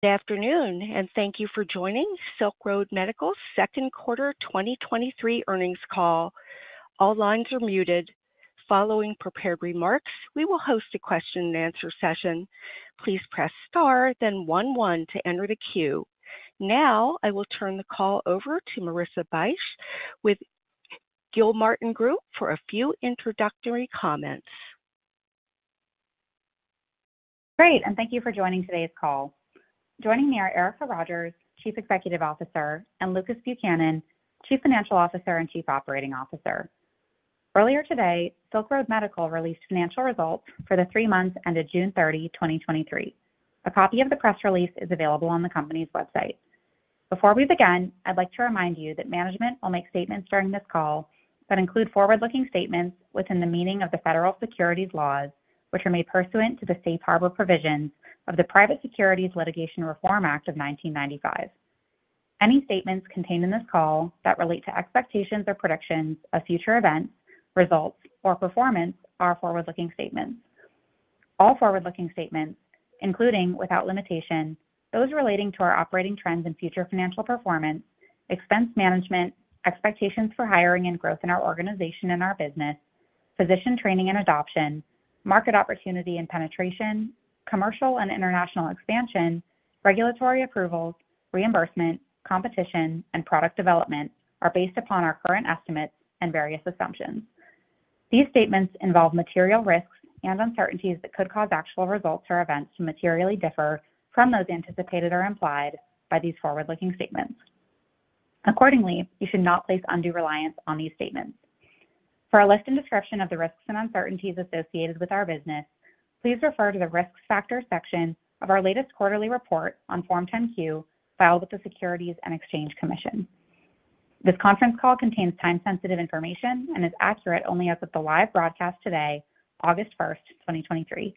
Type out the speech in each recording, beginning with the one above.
Good afternoon, and thank you for joining Silk Road Medical's second quarter 2023 earnings call. All lines are muted. Following prepared remarks, we will host a question-and-answer session. Please press Star, then one, one to enter the queue. Now, I will turn the call over to Marissa Bych with Gilmartin Group for a few introductory comments. Great, thank you for joining today's call. Joining me are Erica Rogers, Chief Executive Officer, and Lucas Buchanan, Chief Financial Officer and Chief Operating Officer. Earlier today, Silk Road Medical released financial results for the three months ended June 30, 2023. A copy of the press release is available on the company's website. Before we begin, I'd like to remind you that management will make statements during this call that include forward-looking statements within the meaning of the Federal Securities laws, which are made pursuant to the Safe Harbor provisions of the Private Securities Litigation Reform Act of 1995. Any statements contained in this call that relate to expectations or predictions of future events, results, or performance are forward-looking statements. All forward-looking statements, including, without limitation, those relating to our operating trends and future financial performance, expense management, expectations for hiring and growth in our organization and our business, physician training and adoption, market opportunity and penetration, commercial and international expansion, regulatory approvals, reimbursement, competition, and product development, are based upon our current estimates and various assumptions. These statements involve material risks and uncertainties that could cause actual results or events to materially differ from those anticipated or implied by these forward-looking statements. Accordingly, you should not place undue reliance on these statements. For a list and description of the risks and uncertainties associated with our business, please refer to the Risk Factor section of our latest quarterly report on Form 10-Q, filed with the Securities and Exchange Commission. This conference call contains time-sensitive information and is accurate only as of the live broadcast today, August first, 2023.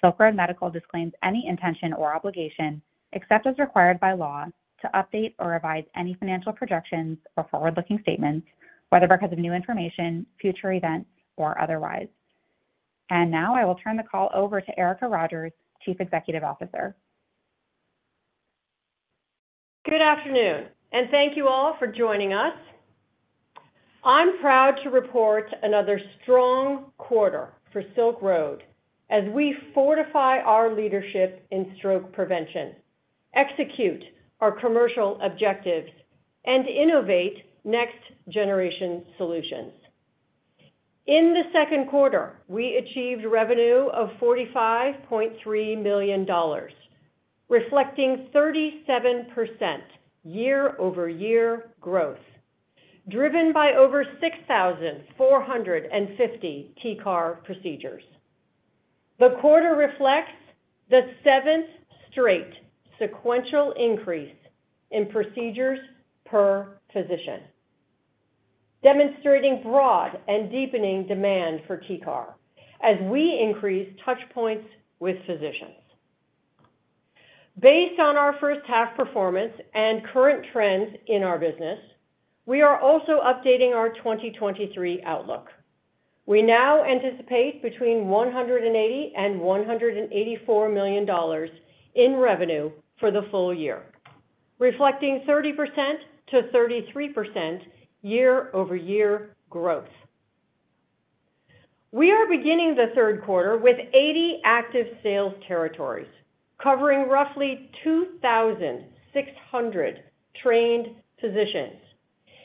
Silk Road Medical disclaims any intention or obligation, except as required by law, to update or revise any financial projections or forward-looking statements, whether because of new information, future events, or otherwise. Now, I will turn the call over to Erica Rogers, Chief Executive Officer. Good afternoon. Thank you all for joining us. I'm proud to report another strong quarter for Silk Road as we fortify our leadership in stroke prevention, execute our commercial objectives, and innovate next-generation solutions. In the second quarter, we achieved revenue of $45.3 million, reflecting 37% year-over-year growth, driven by over 6,450 TCAR procedures. The quarter reflects the seventh straight sequential increase in procedures per physician, demonstrating broad and deepening demand for TCAR as we increase touch points with physicians. Based on our first half performance and current trends in our business, we are also updating our 2023 outlook. We now anticipate between $180 million and $184 million in revenue for the full year, reflecting 30%-33% year-over-year growth. We are beginning the 3Q with 80 active sales territories, covering roughly 2,600 trained physicians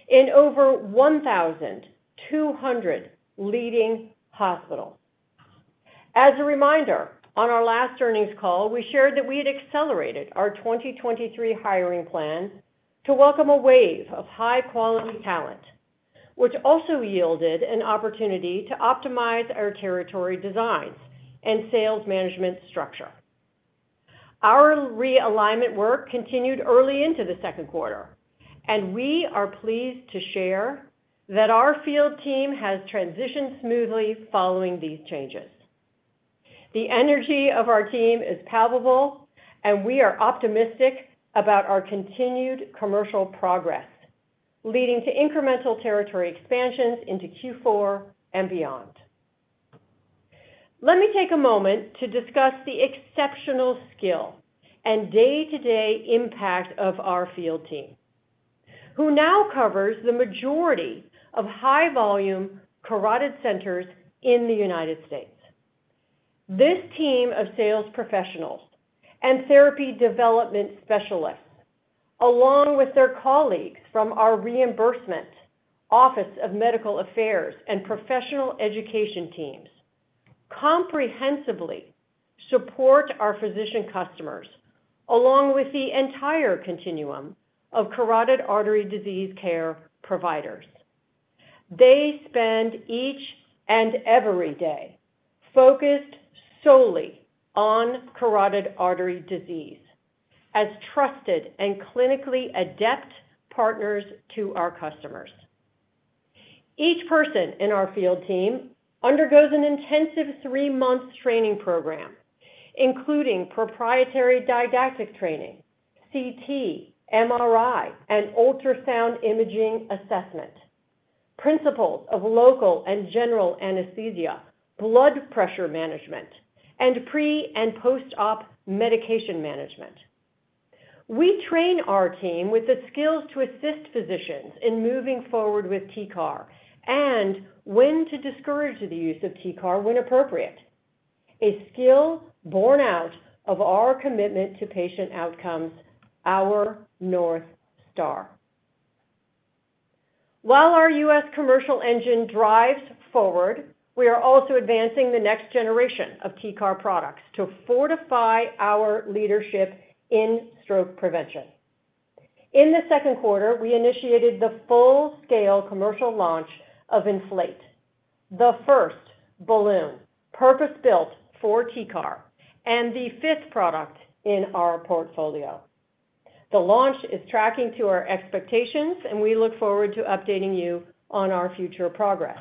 in over 1,200 leading hospitals. As a reminder, on our last earnings call, we shared that we had accelerated our 2023 hiring plan to welcome a wave of high-quality talent, which also yielded an opportunity to optimize our territory designs and sales management structure. Our realignment work continued early into the 2Q, and we are pleased to share that our field team has transitioned smoothly following these changes. The energy of our team is palpable, and we are optimistic about our continued commercial progress, leading to incremental territory expansions into Q4 and beyond. Let me take a moment to discuss the exceptional skill and day-to-day impact of our field team, who now covers the majority of high-volume carotid centers in the United States. This team of sales professionals and therapy development specialists, along with their colleagues from our reimbursement, Office of Medical Affairs, and professional education teams, comprehensively support our physician customers, along with the entire continuum of carotid artery disease care providers. They spend each and every day focused solely on carotid artery disease as trusted and clinically adept partners to our customers. Each person in our field team undergoes an intensive three-month training program, including proprietary didactic training, CT, MRI, and ultrasound imaging assessment, principles of local and general anesthesia, blood pressure management, and pre and post-op medication management. We train our team with the skills to assist physicians in moving forward with TCAR and when to discourage the use of TCAR when appropriate, a skill born out of our commitment to patient outcomes, our North Star. While our U.S. commercial engine drives forward, we are also advancing the next generation of TCAR products to fortify our leadership in stroke prevention. In the second quarter, we initiated the full-scale commercial launch of ENFLATE, the first balloon purpose-built for TCAR and the fifth product in our portfolio. The launch is tracking to our expectations. We look forward to updating you on our future progress.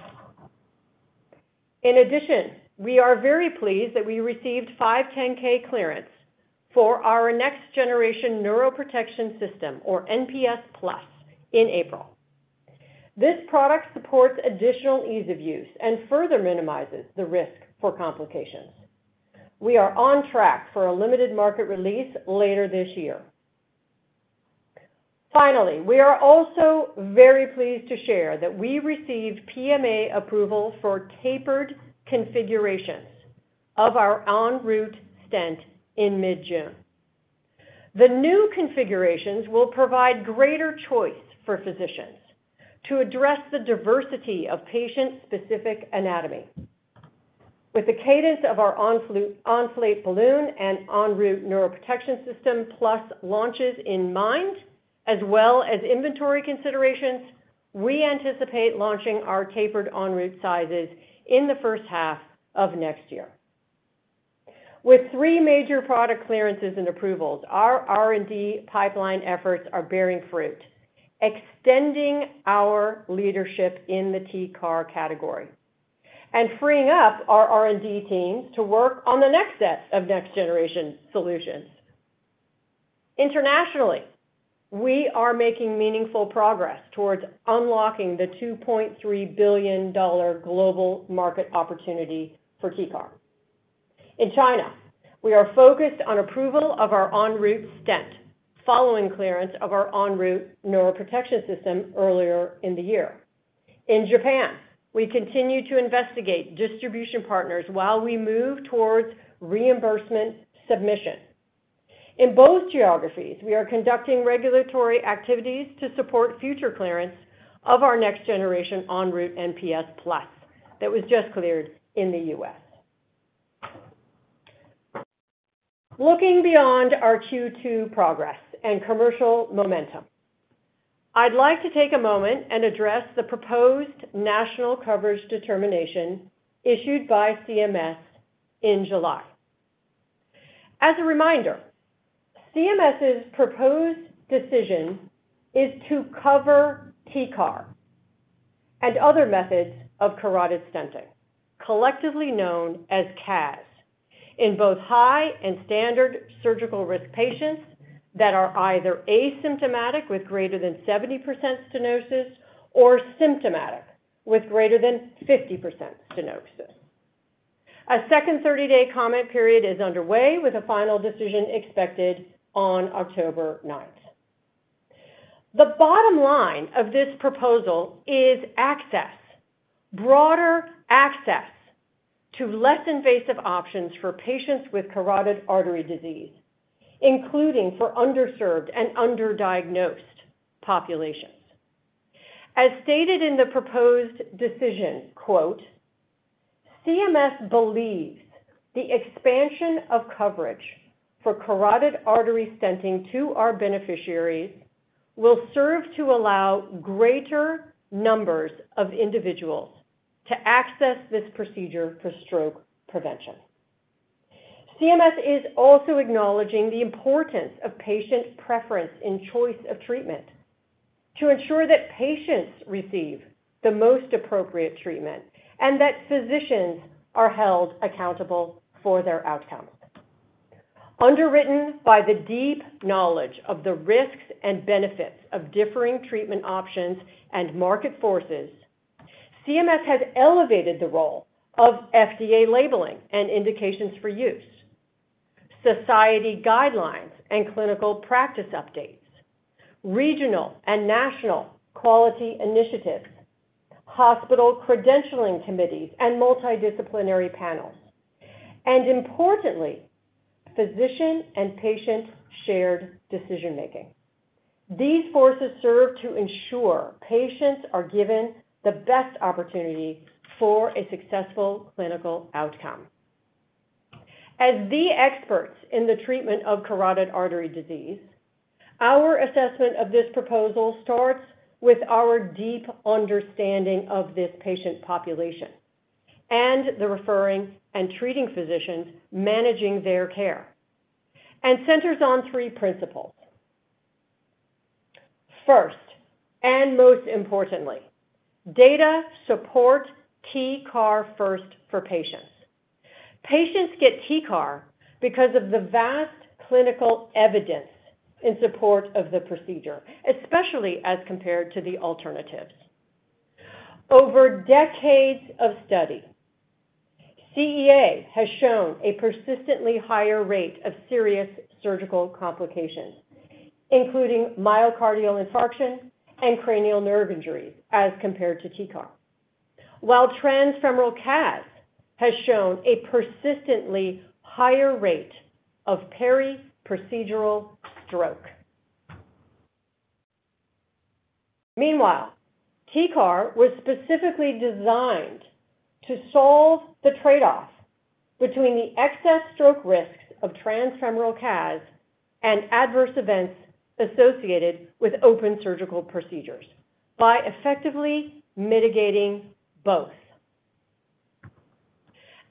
In addition, we are very pleased that we received 510(k) clearance for our next generation Neuroprotection System, or NPS Plus, in April. This product supports additional ease of use and further minimizes the risk for complications. We are on track for a limited market release later this year. Finally, we are also very pleased to share that we received PMA approval for tapered configurations of our ENROUTE stent in mid-June. The new configurations will provide greater choice for physicians to address the diversity of patient-specific anatomy. With the cadence of our ENROUTE ENFLATE balloon and ENROUTE Neuroprotection System Plus launches in mind, as well as inventory considerations, we anticipate launching our tapered ENROUTE sizes in the first half of next year. With three major product clearances and approvals, our R&D pipeline efforts are bearing fruit, extending our leadership in the TCAR category and freeing up our R&D teams to work on the next set of next-generation solutions. Internationally, we are making meaningful progress towards unlocking the $2.3 billion global market opportunity for TCAR. In China, we are focused on approval of our ENROUTE stent, following clearance of our ENROUTE Neuroprotection System earlier in the year. In Japan, we continue to investigate distribution partners while we move towards reimbursement submission. In both geographies, we are conducting regulatory activities to support future clearance of our next generation ENROUTE NPS PLUS that was just cleared in the U.S. Looking beyond our Q2 progress and commercial momentum, I'd like to take a moment and address the proposed national coverage determination issued by CMS in July. As a reminder, CMS's proposed decision is to cover TCAR and other methods of carotid stenting, collectively known as CAS, in both high and standard surgical risk patients that are either asymptomatic, with greater than 70% stenosis or symptomatic, with greater than 50% stenosis. A second 30-day comment period is underway, with a final decision expected on October 9th. The bottom line of this proposal is access, broader access to less invasive options for patients with carotid artery disease, including for underserved and underdiagnosed populations. As stated in the proposed decision, quote, "CMS believes the expansion of coverage for carotid artery stenting to our beneficiaries will serve to allow greater numbers of individuals to access this procedure for stroke prevention." CMS is also acknowledging the importance of patient preference in choice of treatment to ensure that patients receive the most appropriate treatment and that physicians are held accountable for their outcomes. Underwritten by the deep knowledge of the risks and benefits of differing treatment options and market forces, CMS has elevated the role of FDA labeling and indications for use, society guidelines and clinical practice updates, regional and national quality initiatives, hospital credentialing committees, and multidisciplinary panels, and importantly, physician and patient shared decision-making. These forces serve to ensure patients are given the best opportunity for a successful clinical outcome. As the experts in the treatment of carotid artery disease, our assessment of this proposal starts with our deep understanding of this patient population and the referring and treating physicians managing their care, and centers on three principles. First, and most importantly, data support TCAR first for patients. Patients get TCAR because of the vast clinical evidence in support of the procedure, especially as compared to the alternatives. Over decades of study, CEA has shown a persistently higher rate of serious surgical complications, including myocardial infarction and cranial nerve injuries, as compared to TCAR. While transfemoral CAS has shown a persistently higher rate of periprocedural stroke. Meanwhile, TCAR was specifically designed to solve the trade-off between the excess stroke risks of transfemoral CAS and adverse events associated with open surgical procedures by effectively mitigating both.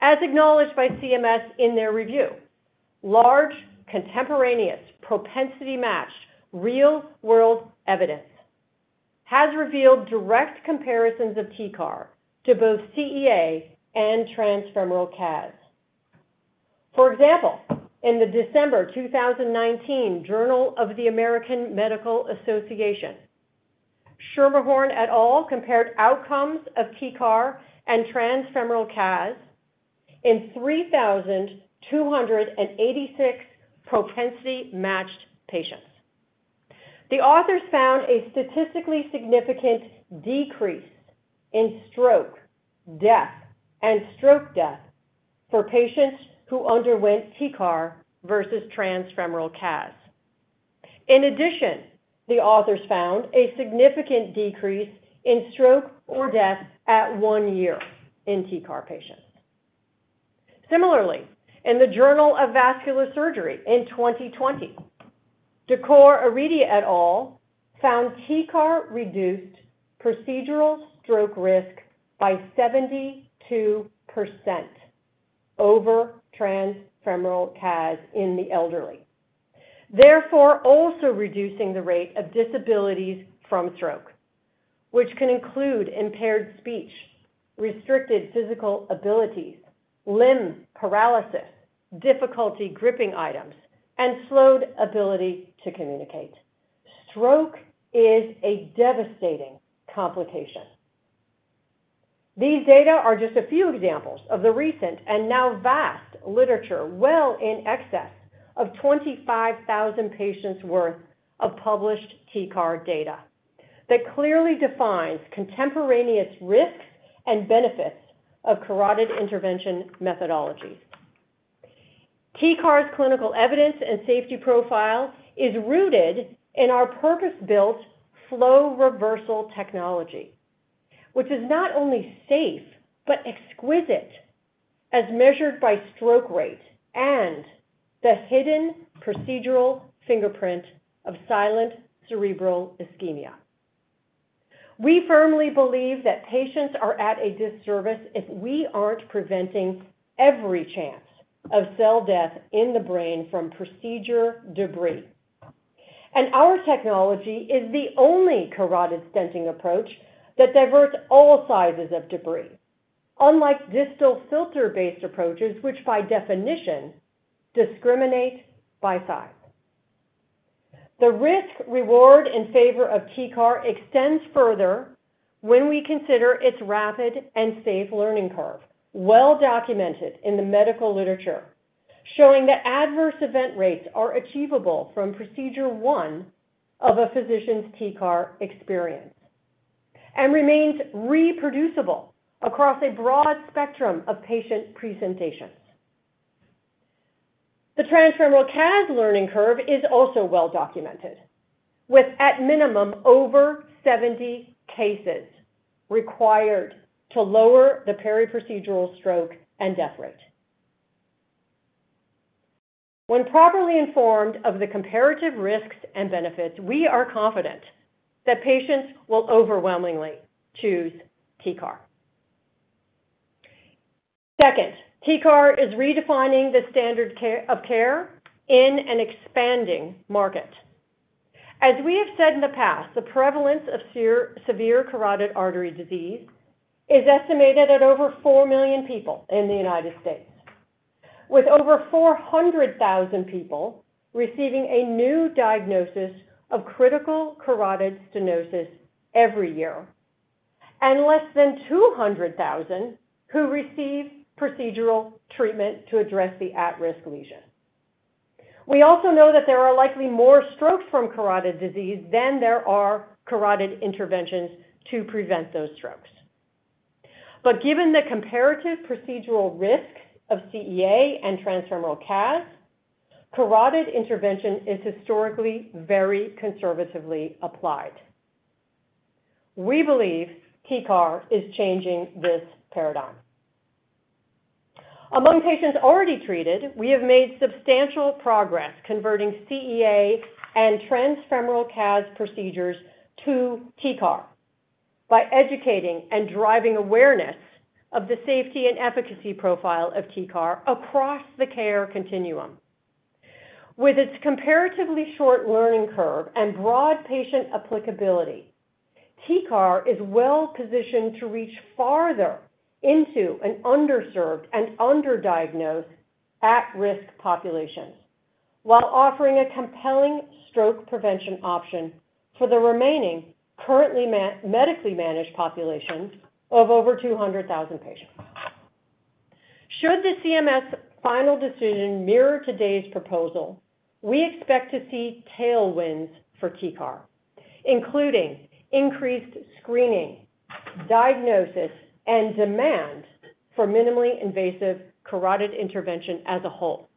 As acknowledged by CMS in their review, large contemporaneous propensity-matched real-world evidence has revealed direct comparisons of TCAR to both CEA and transfemoral CAS. For example, in the December 2019 Journal of the American Medical Association, Schermerhorn et al compared outcomes of TCAR and transfemoral CAS in 3,286 propensity-matched patients. The authors found a statistically significant decrease in stroke, death, and stroke death for patients who underwent TCAR versus transfemoral CAS. In addition, the authors found a significant decrease in stroke or death at one year in TCAR patients. Similarly, in the Journal of Vascular Surgery in 2020, Dakour-Aridi et al found TCAR reduced procedural stroke risk by 72% over transfemoral CAS in the elderly, therefore, also reducing the rate of disabilities from stroke, which can include impaired speech, restricted physical abilities, limb paralysis, difficulty gripping items, and slowed ability to communicate. Stroke is a devastating complication. These data are just a few examples of the recent and now vast literature, well in excess of 25,000 patients worth of published TCAR data, that clearly defines contemporaneous risks and benefits of carotid intervention methodologies. TCAR's clinical evidence and safety profile is rooted in our purpose-built flow reversal technology, which is not only safe but exquisite as measured by stroke rate and the hidden procedural fingerprint of silent cerebral ischemia. We firmly believe that patients are at a disservice if we aren't preventing every chance of cell death in the brain from procedure debris. Our technology is the only carotid stenting approach that diverts all sizes of debris, unlike distal filter-based approaches, which by definition discriminate by size. The risk-reward in favor of TCAR extends further when we consider its rapid and safe learning curve, well documented in the medical literature, showing that adverse event rates are achievable from procedure 1 of a physician's TCAR experience and remains reproducible across a broad spectrum of patient presentations. The transfemoral CAS learning curve is also well documented, with at minimum over 70 cases required to lower the periprocedural stroke and death rate. When properly informed of the comparative risks and benefits, we are confident that patients will overwhelmingly choose TCAR. Second, TCAR is redefining the standard care - of care in an expanding market. As we have said in the past, the prevalence of severe carotid artery disease is estimated at over 4 million people in the United States, with over 400,000 people receiving a new diagnosis of critical carotid stenosis every year, and less than 200,000 who receive procedural treatment to address the at-risk lesion. We also know that there are likely more strokes from carotid disease than there are carotid interventions to prevent those strokes. Given the comparative procedural risks of CEA and transfemoral CAS, carotid intervention is historically very conservatively applied. We believe TCAR is changing this paradigm. Among patients already treated, we have made substantial progress converting CEA and transfemoral CAS procedures to TCAR by educating and driving awareness of the safety and efficacy profile of TCAR across the care continuum. With its comparatively short learning curve and broad patient applicability, TCAR is well-positioned to reach farther into an underserved and underdiagnosed at-risk population, while offering a compelling stroke prevention option for the remaining currently medically managed population of over 200,000 patients. Should the CMS final decision mirror today's proposal, we expect to see tailwinds for TCAR, including increased screening, diagnosis, and demand for minimally invasive carotid intervention as a whole.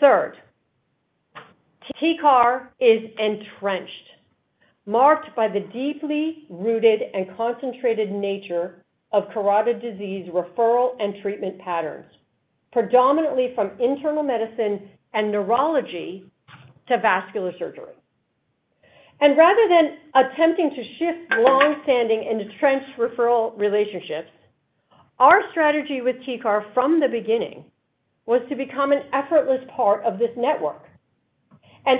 Third, TCAR is entrenched, marked by the deeply rooted and concentrated nature of carotid disease referral and treatment patterns, predominantly from internal medicine and neurology to vascular surgery. Rather than attempting to shift long-standing entrenched referral relationships, our strategy with TCAR from the beginning was to become an effortless part of this network.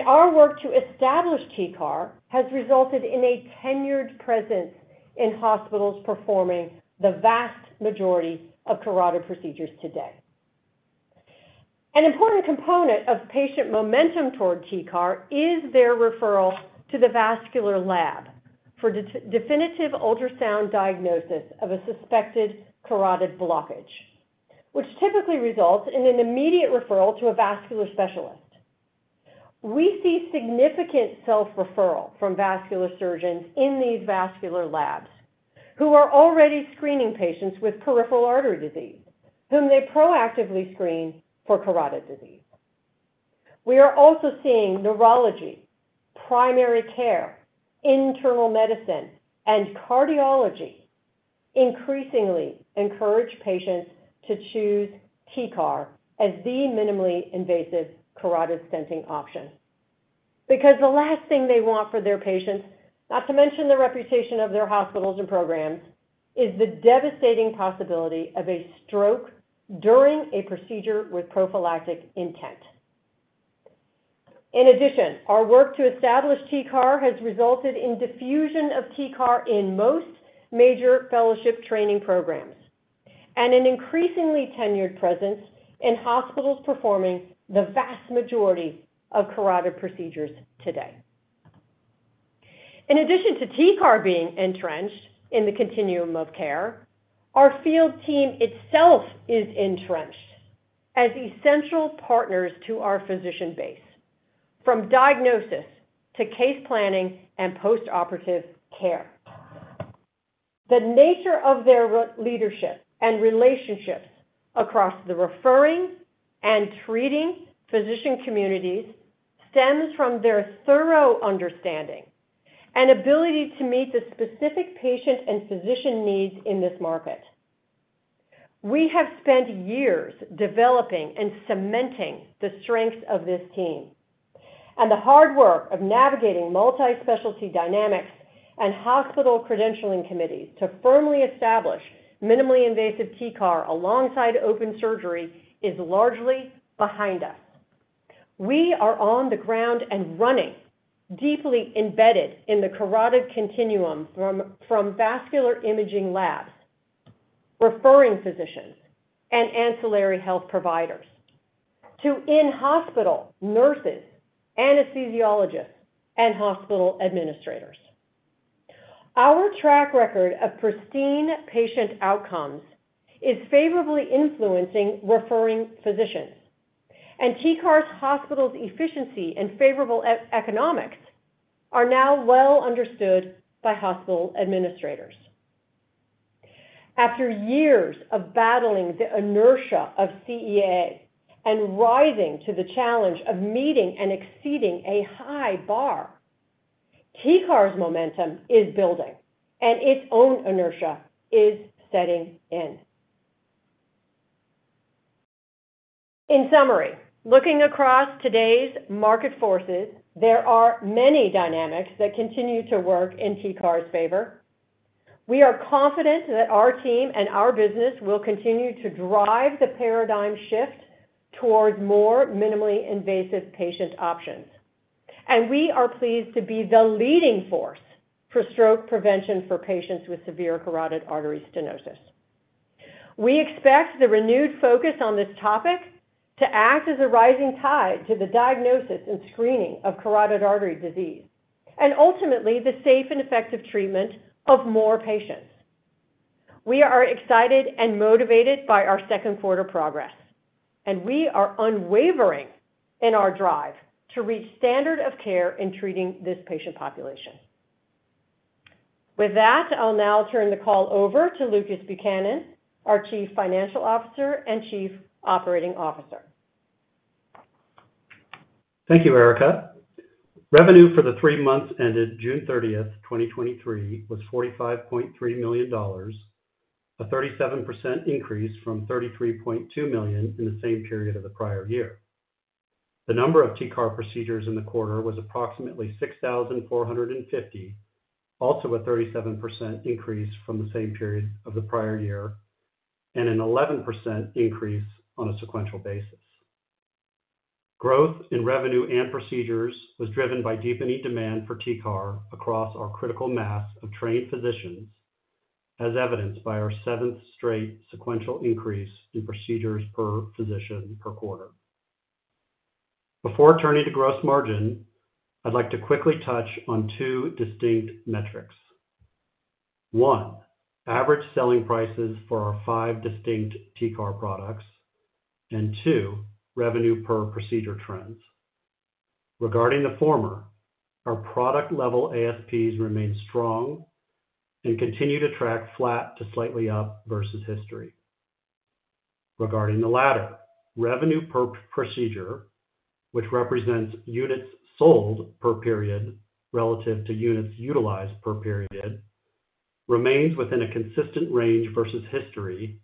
Our work to establish TCAR has resulted in a tenured presence in hospitals performing the vast majority of carotid procedures today. An important component of patient momentum toward TCAR is their referral to the vascular lab for definitive ultrasound diagnosis of a suspected carotid blockage, which typically results in an immediate referral to a vascular specialist. We see significant self-referral from vascular surgeons in these vascular labs, who are already screening patients with peripheral artery disease, whom they proactively screen for carotid disease. We are also seeing neurology, primary care, internal medicine, and cardiology increasingly encourage patients to choose TCAR as the minimally invasive carotid stenting option. Because the last thing they want for their patients, not to mention the reputation of their hospitals and programs, is the devastating possibility of a stroke during a procedure with prophylactic intent. In addition, our work to establish TCAR has resulted in diffusion of TCAR in most major fellowship training programs, and an increasingly tenured presence in hospitals performing the vast majority of carotid procedures today. In addition to TCAR being entrenched in the continuum of care, our field team itself is entrenched as essential partners to our physician base, from diagnosis to case planning and postoperative care. The nature of their work leadership and relationships across the referring and treating physician communities stems from their thorough understanding and ability to meet the specific patient and physician needs in this market. We have spent years developing and cementing the strengths of this team. The hard work of navigating multi-specialty dynamics and hospital credentialing committees to firmly establish minimally invasive TCAR alongside open surgery is largely behind us. We are on the ground and running, deeply embedded in the carotid continuum from vascular imaging labs, referring physicians, and ancillary health providers to in-hospital nurses, anesthesiologists, and hospital administrators. Our track record of pristine patient outcomes is favorably influencing referring physicians. TCAR's hospitals' efficiency and favorable e-economics are now well understood by hospital administrators. After years of battling the inertia of CEA and rising to the challenge of meeting and exceeding a high bar, TCAR's momentum is building, and its own inertia is setting in. In summary, looking across today's market forces, there are many dynamics that continue to work in TCAR's favor. We are confident that our team and our business will continue to drive the paradigm shift towards more minimally invasive patient options. We are pleased to be the leading force for stroke prevention for patients with severe carotid artery stenosis. We expect the renewed focus on this topic to act as a rising tide to the diagnosis and screening of carotid artery disease, and ultimately, the safe and effective treatment of more patients. We are excited and motivated by our second quarter progress. We are unwavering in our drive to reach standard of care in treating this patient population. With that, I'll now turn the call over to Lucas Buchanan, our Chief Financial Officer and Chief Operating Officer. Thank you, Erica. Revenue for the three months ended June 30th, 2023, was $45.3 million, a 37% increase from $33.2 million in the same period of the prior year. The number of TCAR procedures in the quarter was approximately 6,450, also a 37% increase from the same period of the prior year, and an 11% increase on a sequential basis. Growth in revenue and procedures was driven by deepening demand for TCAR across our critical mass of trained physicians, as evidenced by our 7th straight sequential increase in procedures per physician per quarter. Before turning to gross margin, I'd like to quickly touch on two distinct metrics. one, average selling prices for our five distinct TCAR products, and 2, revenue per procedure trends. Regarding the former, our product-level ASPs remain strong and continue to track flat to slightly up versus history. Regarding the latter, revenue per procedure, which represents units sold per period relative to units utilized per period, remains within a consistent range versus history,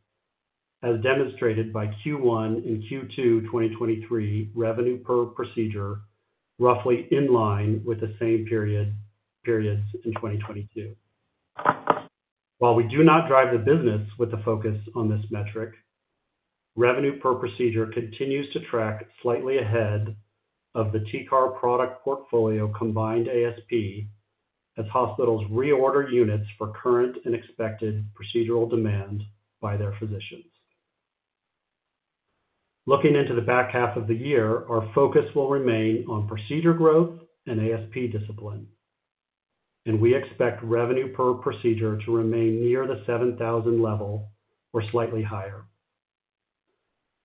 as demonstrated by Q1 and Q2 2023 revenue per procedure, roughly in line with the same period, periods in 2022. While we do not drive the business with a focus on this metric, revenue per procedure continues to track slightly ahead of the TCAR product portfolio combined ASP as hospitals reorder units for current and expected procedural demands by their physicians. Looking into the back half of the year, our focus will remain on procedure growth and ASP discipline, and we expect revenue per procedure to remain near the $7,000 level or slightly higher.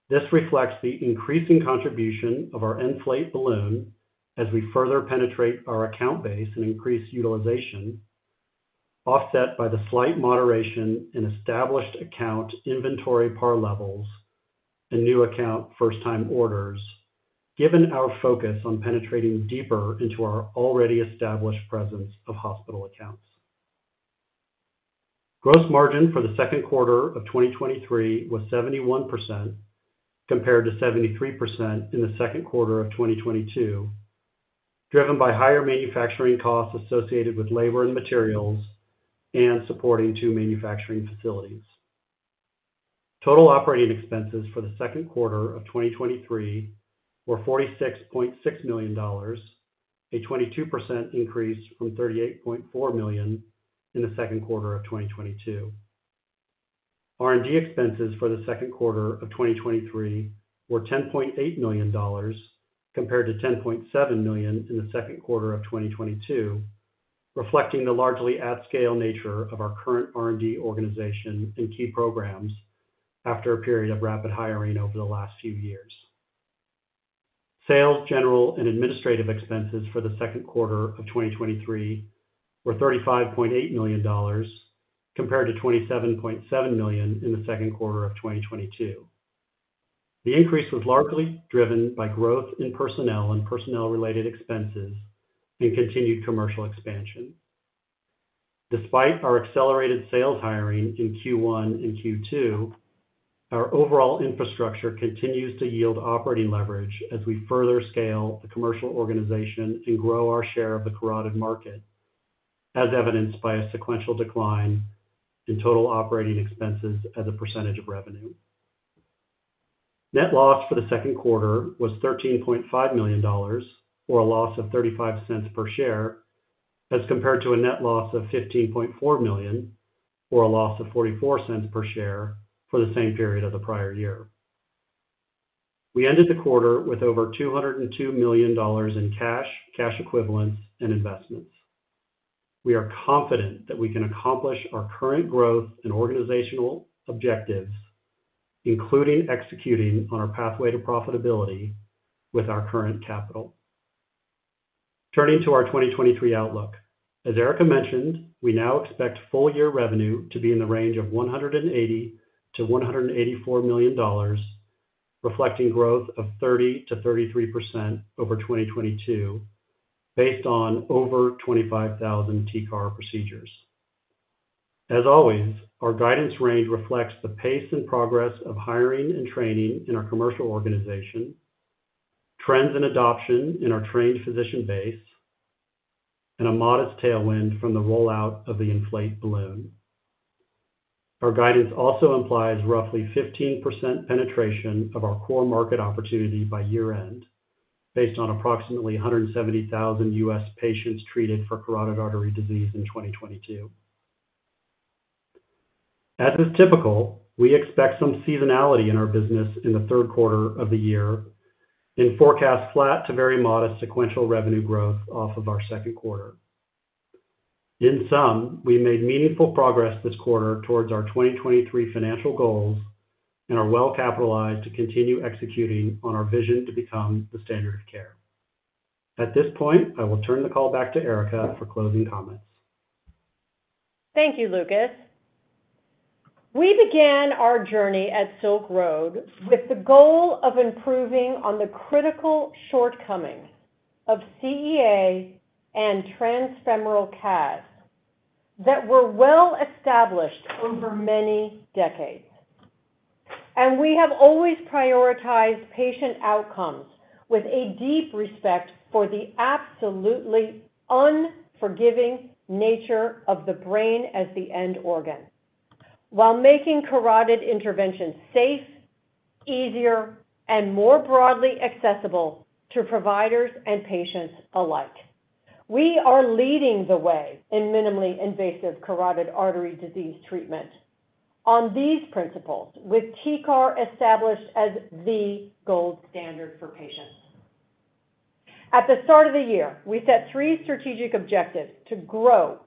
This reflects the increasing contribution of our ENFLATE balloon as we further penetrate our account base and increase utilization, offset by the slight moderation in established account inventory par levels and new account first-time orders, given our focus on penetrating deeper into our already established presence of hospital accounts. Gross margin for the second quarter of 2023 was 71%, compared to 73% in the second quarter of 2022, driven by higher manufacturing costs associated with labor and materials and supporting two manufacturing facilities. Total operating expenses for the second quarter of 2023 were $46.6 million, a 22% increase from $38.4 million in the second quarter of 2022. R&D expenses for the second quarter of 2023 were $10.8 million, compared to $10.7 million in the second quarter of 2022, reflecting the largely at-scale nature of our current R&D organization and key programs after a period of rapid hiring over the last few years. Sales, general, and administrative expenses for the second quarter of 2023 were $35.8 million, compared to $27.7 million in the second quarter of 2022. The increase was largely driven by growth in personnel and personnel-related expenses and continued commercial expansion. Despite our accelerated sales hiring in Q1 and Q2, our overall infrastructure continues to yield operating leverage as we further scale the commercial organization and grow our share of the carotid market, as evidenced by a sequential decline in total operating expenses as a % of revenue. Net loss for the second quarter was $13.5 million, or a loss of $0.35 per share, as compared to a net loss of $15.4 million, or a loss of $0.44 per share, for the same period of the prior year. We ended the quarter with over $202 million in cash, cash equivalents, and investments. We are confident that we can accomplish our current growth and organizational objectives, including executing on our pathway to profitability with our current capital. Turning to our 2023 outlook. As Erica mentioned, we now expect full-year revenue to be in the range of $180 million-$184 million, reflecting growth of 30%-33% over 2022, based on over 25,000 TCAR procedures. As always, our guidance range reflects the pace and progress of hiring and training in our commercial organization, trends and adoption in our trained physician base, and a modest tailwind from the rollout of the ENFLATE balloon. Our guidance also implies roughly 15% penetration of our core market opportunity by year-end, based on approximately 170,000 U.S. patients treated for carotid artery disease in 2022. As is typical, we expect some seasonality in our business in the third quarter of the year and forecast flat to very modest sequential revenue growth off of our second quarter. In sum, we made meaningful progress this quarter towards our 2023 financial goals and are well capitalized to continue executing on our vision to become the standard of care. At this point, I will turn the call back to Erica for closing comments. Thank you, Lucas. We began our journey at Silk Road Medical with the goal of improving on the critical shortcomings of CEA and transfemoral CAS that were well established over many decades. We have always prioritized patient outcomes with a deep respect for the absolutely unforgiving nature of the brain as the end organ, while making carotid intervention safe, easier, and more broadly accessible to providers and patients alike. We are leading the way in minimally invasive carotid artery disease treatment on these principles, with TCAR established as the gold standard for patients. At the start of the year, we set three strategic objectives to grow,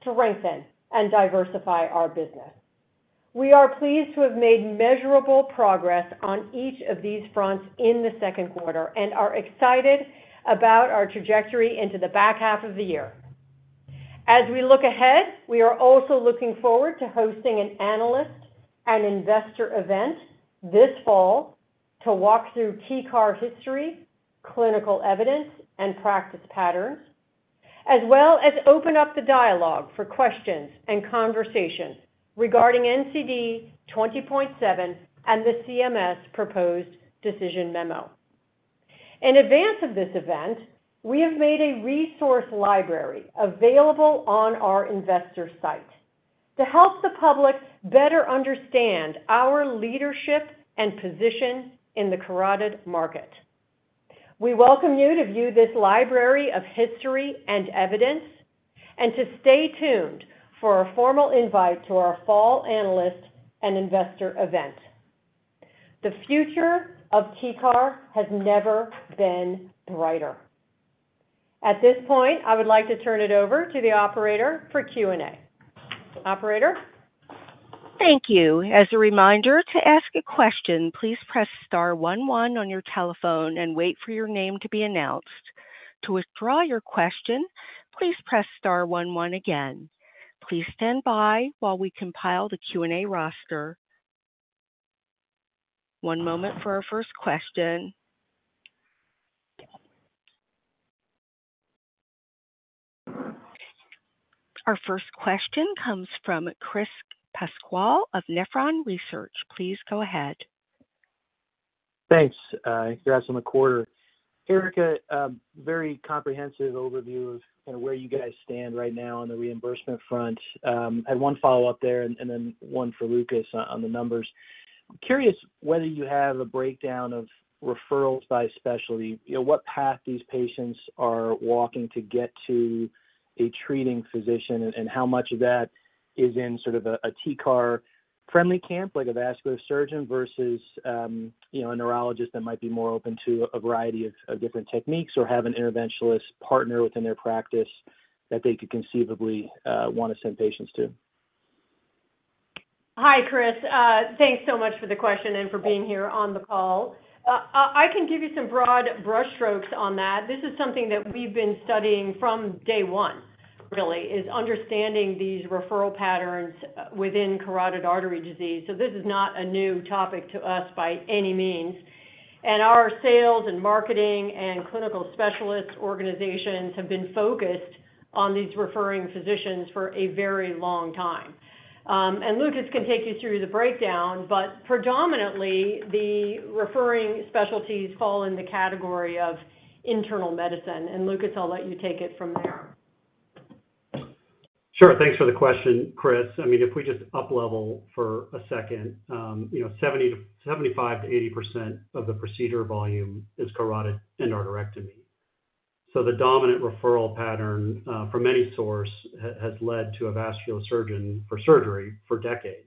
strengthen, and diversify our business. We are pleased to have made measurable progress on each of these fronts in the second quarter and are excited about our trajectory into the back half of the year. As we look ahead, we are also looking forward to hosting an analyst and investor event this fall to walk through TCAR history, clinical evidence, and practice patterns, as well as open up the dialogue for questions and conversations regarding NCD 20.7 and the CMS proposed decision memo. In advance of this event, we have made a resource library available on our investor site to help the public better understand our leadership and position in the carotid market. We welcome you to view this library of history and evidence and to stay tuned for a formal invite to our fall analyst and investor event. The future of TCAR has never been brighter. At this point, I would like to turn it over to the operator for Q&A. Operator? Thank you. As a reminder, to ask a question, please press star one, one on your telephone and wait for your name to be announced. To withdraw your question, please press star one, one again. Please stand by while we compile the Q&A roster. One moment for our first question. Our first question comes from Chris Pasquale of Nephron Research. Please go ahead. Thanks, congrats on the quarter. Erica, very comprehensive overview of kind of where you guys stand right now on the reimbursement front. I had one follow-up there and, then one for Lucas on the numbers. I'm curious whether you have a breakdown of referrals by specialty. You know, what path these patients are walking to get to a treating physician and, how much of that is in sort of a TCAR-friendly camp, like a vascular surgeon versus, you know, a neurologist that might be more open to a variety of different techniques or have an interventionalist partner within their practice that they could conceivably want to send patients to? Hi, Chris. Thanks so much for the question and for being here on the call. I, I can give you some broad brushstrokes on that. This is something that we've been studying from day one, really, is understanding these referral patterns within carotid artery disease. This is not a new topic to us by any means, and our sales and marketing and clinical specialist organizations have been focused on these referring physicians for a very long time. And Lucas can take you through the breakdown, but predominantly, the referring specialties fall in the category of internal medicine. And Lucas, I'll let you take it from there. Sure. Thanks for the question, Chris. I mean, if we just uplevel for a second, you know, 75%-80% of the procedure volume is carotid endarterectomy. The dominant referral pattern from any source has, has led to a vascular surgeon for surgery for decades.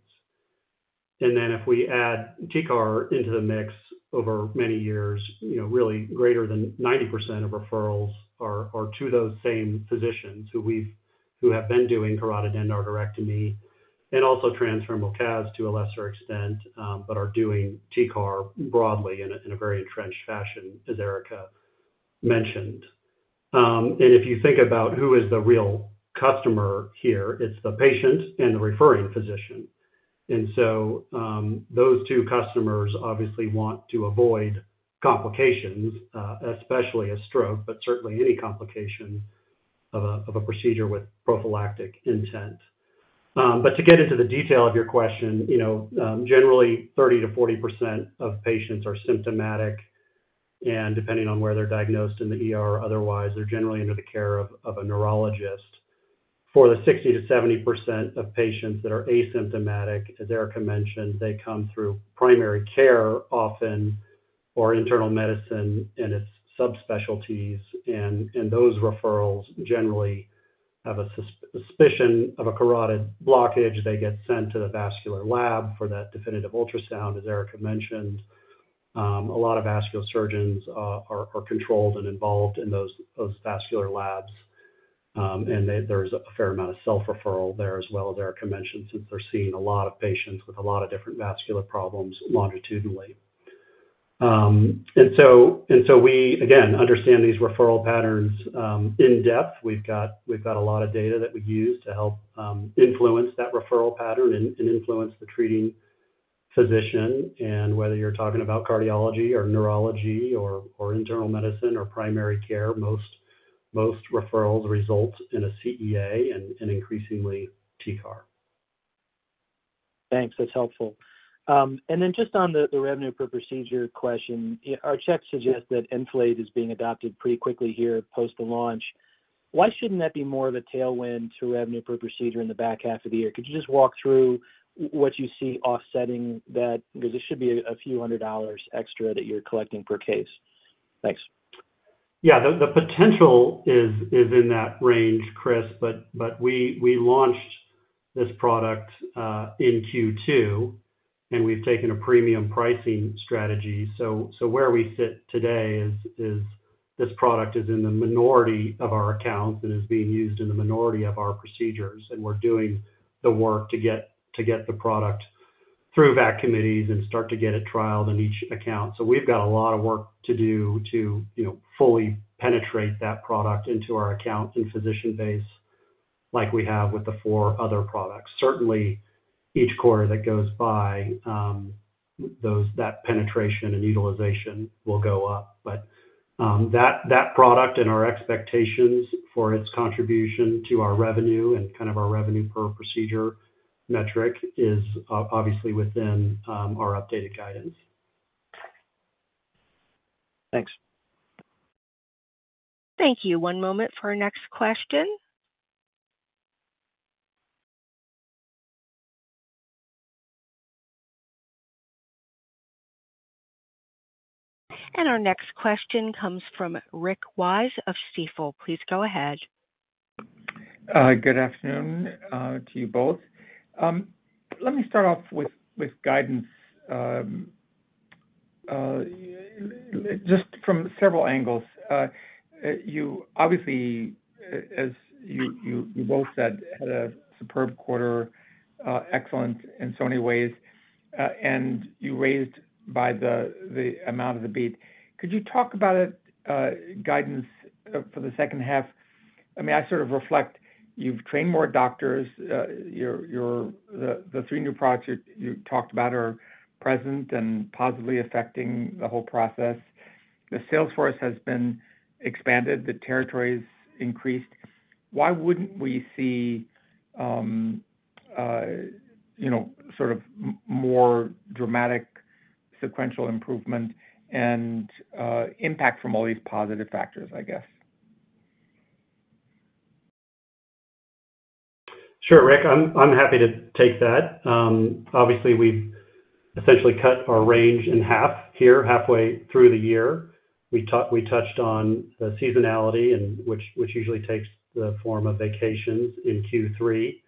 If we add TCAR into the mix over many years, you know, really greater than 90% of referrals are, are to those same physicians who have been doing carotid endarterectomy and also transfemoral CAS to a lesser extent, but are doing TCAR broadly in a, in a very entrenched fashion, as Erica mentioned. If you think about who is the real customer here, it's the patient and the referring physician. So, those two customers obviously want to avoid complications, especially a stroke, but certainly any complication of a procedure with prophylactic intent. To get into the detail of your question, you know, generally 30%-40% of patients are symptomatic, and depending on where they're diagnosed in the ER or otherwise, they're generally under the care of a neurologist. For the 60%-70% of patients that are asymptomatic, as Erica mentioned, they come through primary care often, or internal medicine and its subspecialties, and those referrals generally have a suspicion of a carotid blockage. They get sent to the vascular lab for that definitive ultrasound, as Erica mentioned. A lot of vascular surgeons are controlled and involved in those vascular labs. There's a fair amount of self-referral there as well, as Erica mentioned, since they're seeing a lot of patients with a lot of different vascular problems longitudinally. We, again, understand these referral patterns, in depth. We've got a lot of data that we use to help influence that referral pattern and influence the treating physician. Whether you're talking about cardiology or neurology or internal medicine or primary care, most referrals result in a CEA and increasingly TCAR. Thanks, that's helpful. then just on the, the revenue per procedure question, our checks suggest that ENFLATE is being adopted pretty quickly here post the launch. Why shouldn't that be more of a tailwind to revenue per procedure in the back half of the year? Could you just walk through what you see offsetting that? Because it should be a $few hundred dollars extra that you're collecting per case. Thanks. Yeah, the potential is in that range, Chris. We launched this product in Q2, and we've taken a premium pricing strategy. Where we sit today is this product is in the minority of our accounts and is being used in the minority of our procedures, and we're doing the work to get the product through VAC committees and start to get it trialed in each account. We've got a lot of work to do to, you know, fully penetrate that product into our accounts and physician base like we have with the 4 other products. Certainly, each quarter that goes by, that penetration and utilization will go up. That product and our expectations for its contribution to our revenue and kind of our revenue per procedure metric is obviously within our updated guidance. Thanks. Thank you. One moment for our next question. Our next question comes from Rick Wise of Stifel. Please go ahead. Good afternoon to you both. Let me start off with, with guidance, just from several angles. You obviously, as you, you, you both said, had a superb quarter, excellent in so many ways, and you raised by the, the amount of the beat. Could you talk about guidance for the second half? I mean, I sort of reflect, you've trained more doctors, your, the 3 new products you talked about are present and positively affecting the whole process. The sales force has been expanded, the territory's increased. Why wouldn't we see, you know, sort of more dramatic sequential improvement and impact from all these positive factors, I guess? Sure, Rick, I'm happy to take that. Obviously, we've essentially cut our range in half here, halfway through the year. We touched on the seasonality and which, which usually takes the form of vacations in Q3.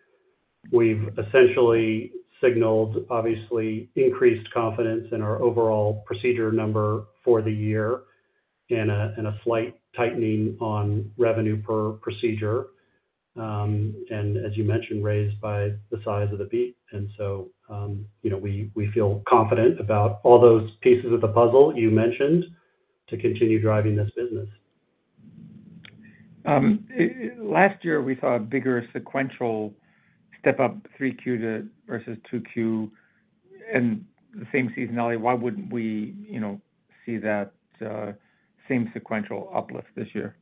We've essentially signaled obviously increased confidence in our overall procedure number for the year and a slight tightening on revenue per procedure. As you mentioned, raised by the size of the beat. So, you know, we feel confident about all those pieces of the puzzle you mentioned to continue driving this business. Last year, we saw a bigger sequential step-up 3Q to versus 2Q and the same seasonality. Why wouldn't we, you know, see that same sequential uplift this year?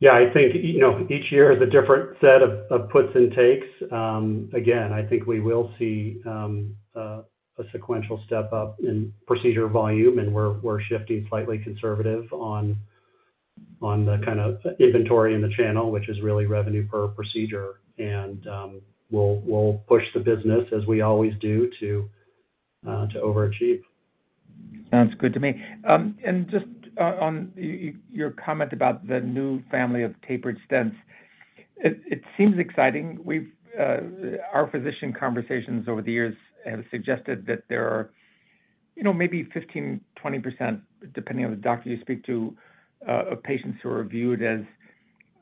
Yeah, I think, you know, each year has a different set of, of puts and takes. Again, I think we will see a sequential step-up in procedure volume, and we're, we're shifting slightly conservative on, on the kind of inventory in the channel, which is really revenue per procedure. We'll, we'll push the business, as we always do, to overachieve. Sounds good to me. And just on your comment about the new family of tapered stents, it, it seems exciting. We've, our physician conversations over the years have suggested that there are, you know, maybe 15%, 20%, depending on the doctor you speak to, of patients who are viewed as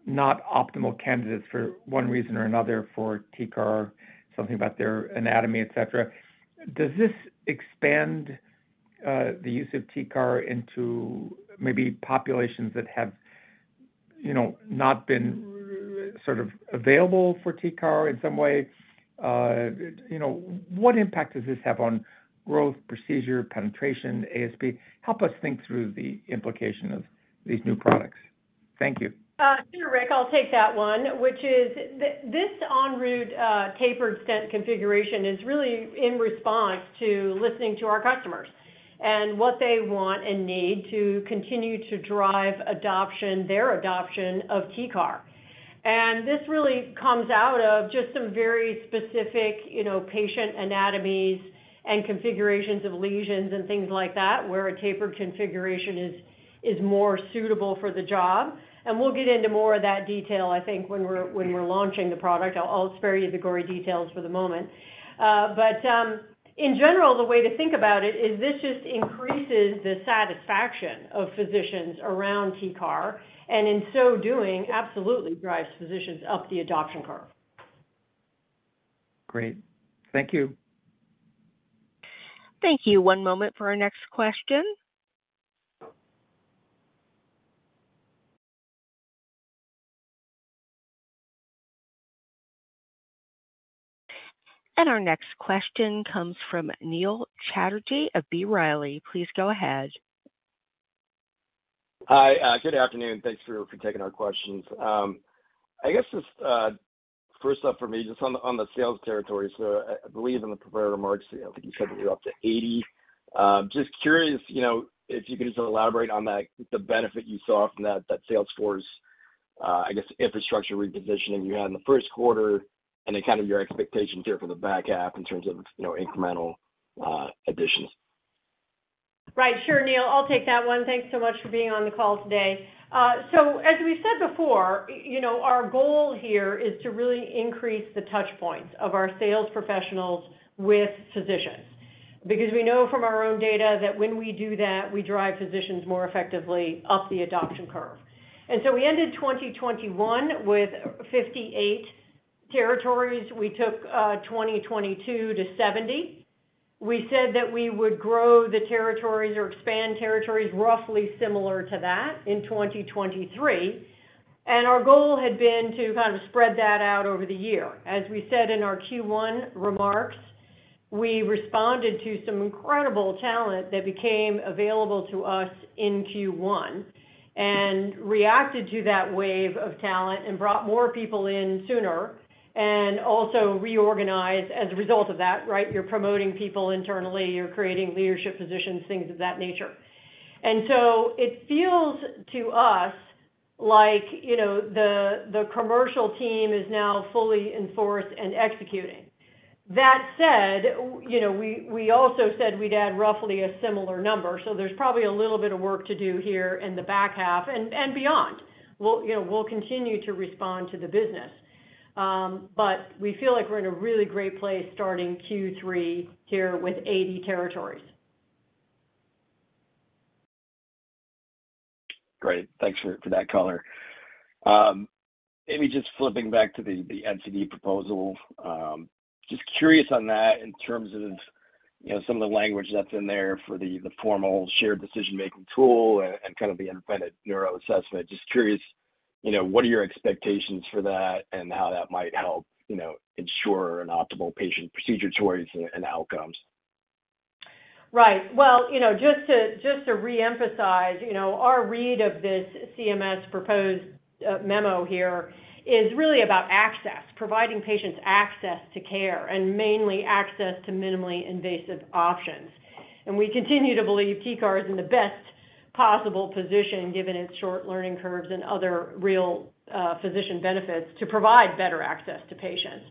not optimal candidates for one reason or another for TCAR, something about their anatomy, et cetera. Does this expand the use of TCAR into maybe populations that have, you know, not been sort of available for TCAR in some way? You know, what impact does this have on growth, procedure, penetration, ASP? Help us think through the implication of these new products. Thank you. Sure, Rick, I'll take that one, which is this ENROUTE tapered stent configuration is really in response to listening to our customers and what they want and need to continue to drive adoption, their adoption of TCAR. This really comes out of just some very specific, you know, patient anatomies and configurations of lesions and things like that, where a tapered configuration is, is more suitable for the job. We'll get into more of that detail, I think, when we're, when we're launching the product. I'll spare you the gory details for the moment. In general, the way to think about it is this just increases the satisfaction of physicians around TCAR, and in so doing, absolutely drives physicians up the adoption curve. Great. Thank you. Thank you. One moment for our next question. Our next question comes from Neil Chatterji of B. Riley. Please go ahead. Hi, good afternoon. Thanks for, for taking our questions. I guess just, first up for me, just on the, on the sales territory. I, I believe in the prepared remarks, I think you said that you're up to 80. Just curious, you know, if you could just elaborate on that, the benefit you saw from that, that sales force, I guess, infrastructure repositioning you had in the 1st quarter, and then kind of your expectations here for the back half in terms of, you know, incremental, additions. Right. Sure, Neil. I'll take that one. Thanks so much for being on the call today. As we said before, our goal here is to really increase the touch points of our sales professionals with physicians. Because we know from our own data that when we do that, we drive physicians more effectively up the adoption curve. We ended 2021 with 58 territories. We took 2022 to 70. We said that we would grow the territories or expand territories roughly similar to that in 2023, our goal had been to spread that out over the year. As we said in our Q1 remarks, we responded to some incredible talent that became available to us in Q1, reacted to that wave of talent and brought more people in sooner, and also reorganized as a result of that, right? You're promoting people internally, you're creating leadership positions, things of that nature. It feels to us like, you know, the, the commercial team is now fully in force and executing. That said, you know, we, we also said we'd add roughly a similar number, so there's probably a little bit of work to do here in the back half and, and beyond. We'll, you know, we'll continue to respond to the business. We feel like we're in a really great place starting Q3 here with 80 territories. Great. Thanks for for that color. maybe just flipping back to the the NCD proposal. just curious on that in terms of, you know, some of the language that's in there for the the formal shared decision-making tool and and kind of the independent neuroassessment. Just curious, you know, what are your expectations for that and how that might help, you know, ensure an optimal patient procedure choice and and outcomes? Right. Well, you know, just to, just to reemphasize, you know, our read of this CMS proposed memo here is really about access, providing patients access to care, and mainly access to minimally invasive options. We continue to believe TCAR is in the best possible position, given its short learning curves and other real physician benefits, to provide better access to patients.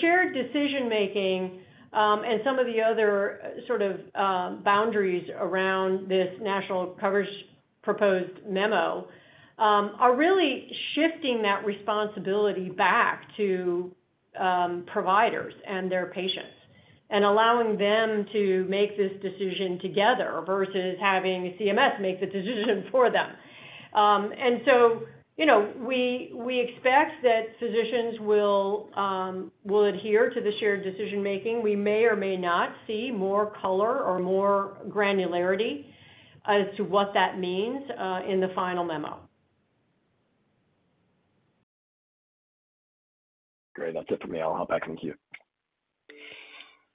Shared decision-making, and some of the other sort of boundaries around this national coverage proposed memo, are really shifting that responsibility back to providers and their patients, and allowing them to make this decision together versus having CMS make the decision for them. You know, we, we expect that physicians will adhere to the shared decision-making. We may or may not see more color or more granularity as to what that means, in the final memo. Great. That's it for me. I'll hop back in the queue.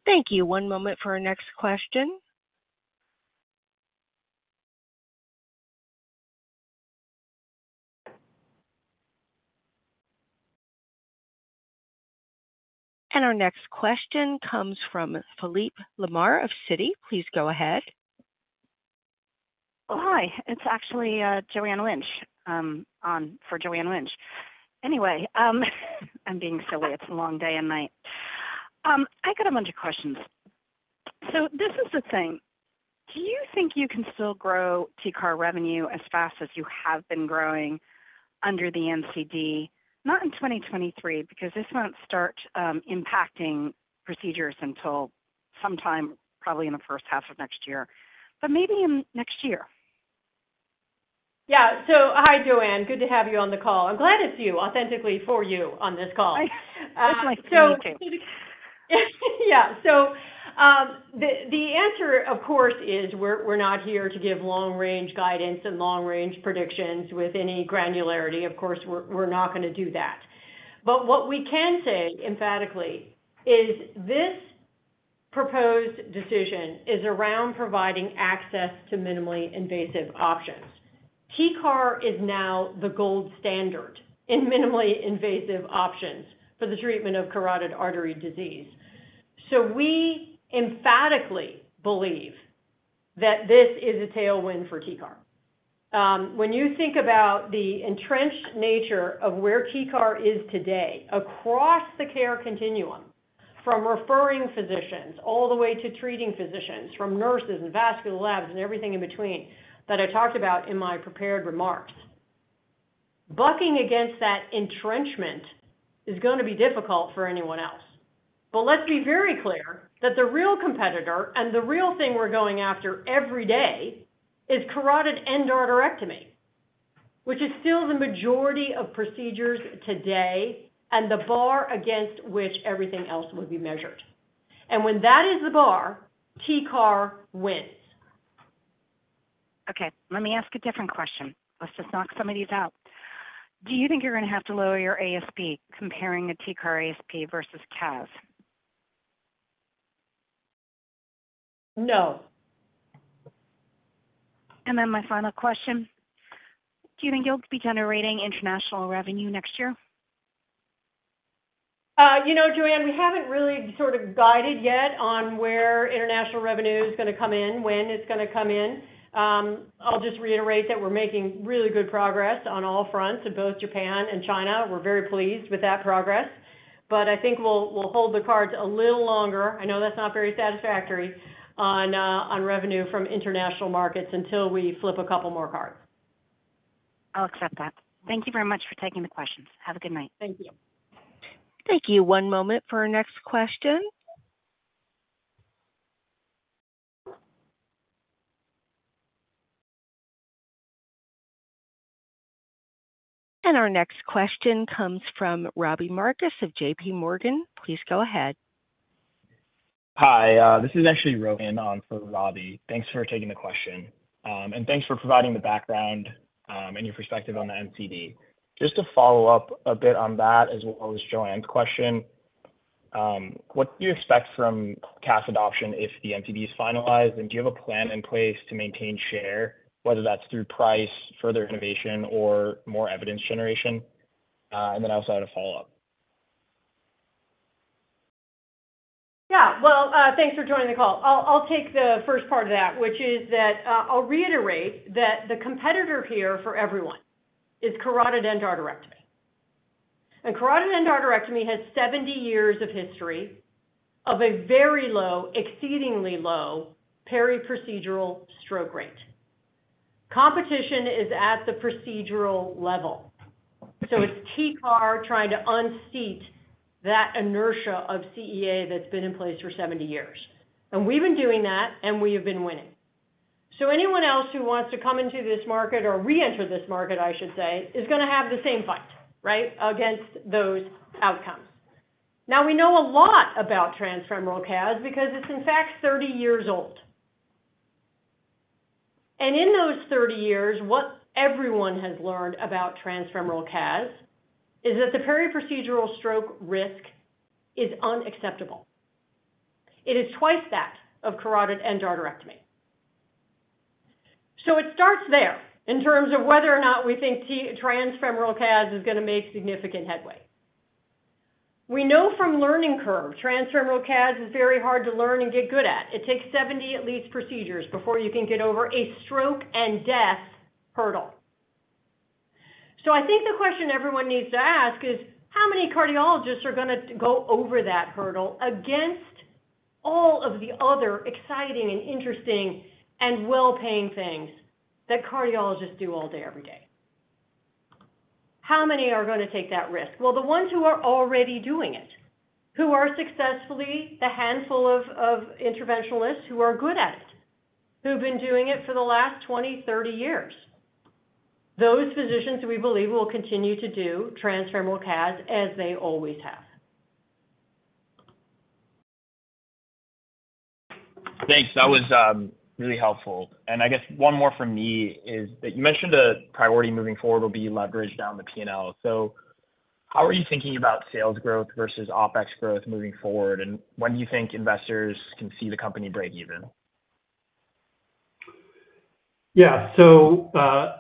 Thank you. One moment for our next question. Our next question comes from Philip Larmarche of Citi. Please go ahead. Oh, hi. It's actually Joanne Wuensch, on for Philip Larmarche. Anyway, I'm being silly. It's a long day and night. I got a bunch of questions. This is the thing: Do you think you can still grow TCAR revenue as fast as you have been growing under the NCD? Not in 2023, because this won't start impacting procedures until sometime probably in the first half of next year, but maybe in next year. Yeah. Hi, Joanne. Good to have you on the call. I'm glad it's you, authentically for you on this call. I, it's nice for me, too. Yeah. The, the answer, of course, is we're, we're not here to give long-range guidance and long-range predictions with any granularity. Of course, we're, we're not gonna do that. What we can say emphatically is this proposed decision is around providing access to minimally invasive options. TCAR is now the gold standard in minimally invasive options for the treatment of carotid artery disease. We emphatically believe that this is a tailwind for TCAR. When you think about the entrenched nature of where TCAR is today across the care continuum, from referring physicians all the way to treating physicians, from nurses and vascular labs and everything in between, that I talked about in my prepared remarks. Bucking against that entrenchment is gonna be difficult for anyone else. Let's be very clear that the real competitor and the real thing we're going after every day is carotid endarterectomy, which is still the majority of procedures today and the bar against which everything else would be measured. When that is the bar, TCAR wins. Okay, let me ask a different question. Let's just knock some of these out. Do you think you're gonna have to lower your ASP comparing a TCAR ASP versus CAS? No. Then my final question: do you think you'll be generating international revenue next year? You know, Joanne, we haven't really sort of guided yet on where international revenue is gonna come in, when it's gonna come in. I'll just reiterate that we're making really good progress on all fronts in both Japan and China. We're very pleased with that progress, I think we'll, we'll hold the cards a little longer, I know that's not very satisfactory, on revenue from international markets until we flip a couple more cards. I'll accept that. Thank you very much for taking the questions. Have a good night. Thank you. Thank you. One moment for our next question. Our next question comes from Robbie Marcus of J.P. Morgan. Please go ahead. Hi, this is actually Rohan on for Robbie. Thanks for taking the question. Thanks for providing the background and your perspective on the NCD. Just to follow up a bit on that as well as Joanne's question, what do you expect from CAS adoption if the NCD is finalized? Do you have a plan in place to maintain share, whether that's through price, further innovation, or more evidence generation? I also had a follow-up. Yeah. Well, thanks for joining the call. I'll, I'll take the first part of that, which is that, I'll reiterate that the competitor here for everyone is carotid endarterectomy. Carotid endarterectomy has 70 years of history of a very low, exceedingly low, periprocedural stroke rate. Competition is at the procedural level, so it's TCAR trying to unseat that inertia of CEA that's been in place for 70 years. We've been doing that, and we have been winning. Anyone else who wants to come into this market or reenter this market, I should say, is gonna have the same fight, right, against those outcomes. Now, we know a lot about transfemoral CAS because it's in fact 30 years old. In those 30 years, what everyone has learned about transfemoral CAS is that the periprocedural stroke risk is unacceptable. It is twice that of carotid endarterectomy. It starts there in terms of whether or not we think transfemoral CAS is gonna make significant headway. We know from learning curve, transfemoral CAS is very hard to learn and get good at. It takes 70, at least, procedures before you can get over a stroke and death hurdle. I think the question everyone needs to ask is: how many cardiologists are gonna go over that hurdle against all of the other exciting and interesting and well-paying things that cardiologists do all day, every day? How many are gonna take that risk? Well, the ones who are already doing it, who are successfully the handful of interventionalists who are good at it, who've been doing it for the last 20, 30 years. Those physicians, we believe, will continue to do transfemoral CAS as they always have. Thanks. That was really helpful. I guess one more from me is that you mentioned a priority moving forward will be leverage down the P&L. How are you thinking about sales growth versus OpEx growth moving forward? When do you think investors can see the company break even? Yeah.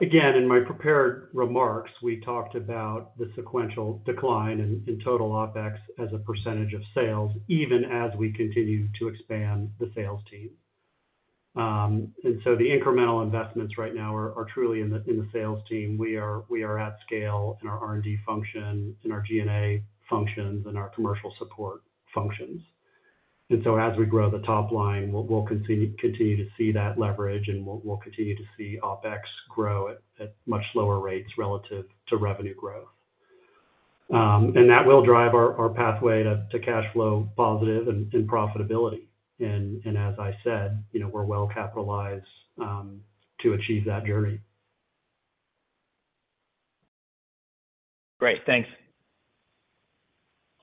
Again, in my prepared remarks, we talked about the sequential decline in, in total OpEx as a percentage of sales, even as we continue to expand the sales team. The incremental investments right now are, are truly in the, in the sales team. We are, we are at scale in our R&D function, in our G&A functions, and our commercial support functions. As we grow the top line, we'll, we'll continue, continue to see that leverage, and we'll, we'll continue to see OpEx grow at, at much lower rates relative to revenue growth. That will drive our, our pathway to, to cash flow positive and, and profitability. As I said, you know, we're well capitalized to achieve that journey. Great. Thanks.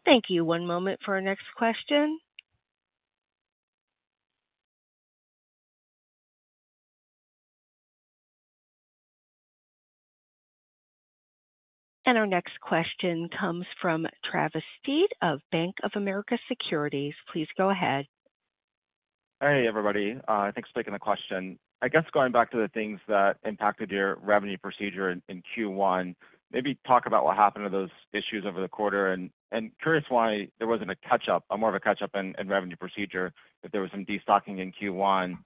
Thank you. One moment for our next question. Our next question comes from Travis Steed of Bank of America Securities. Please go ahead. Hey, everybody, thanks for taking the question. I guess going back to the things that impacted your revenue procedure in, in Q1, maybe talk about what happened to those issues over the quarter, and, and curious why there wasn't a catch-up, a more of a catch-up in, in revenue procedure if there was some destocking in Q1,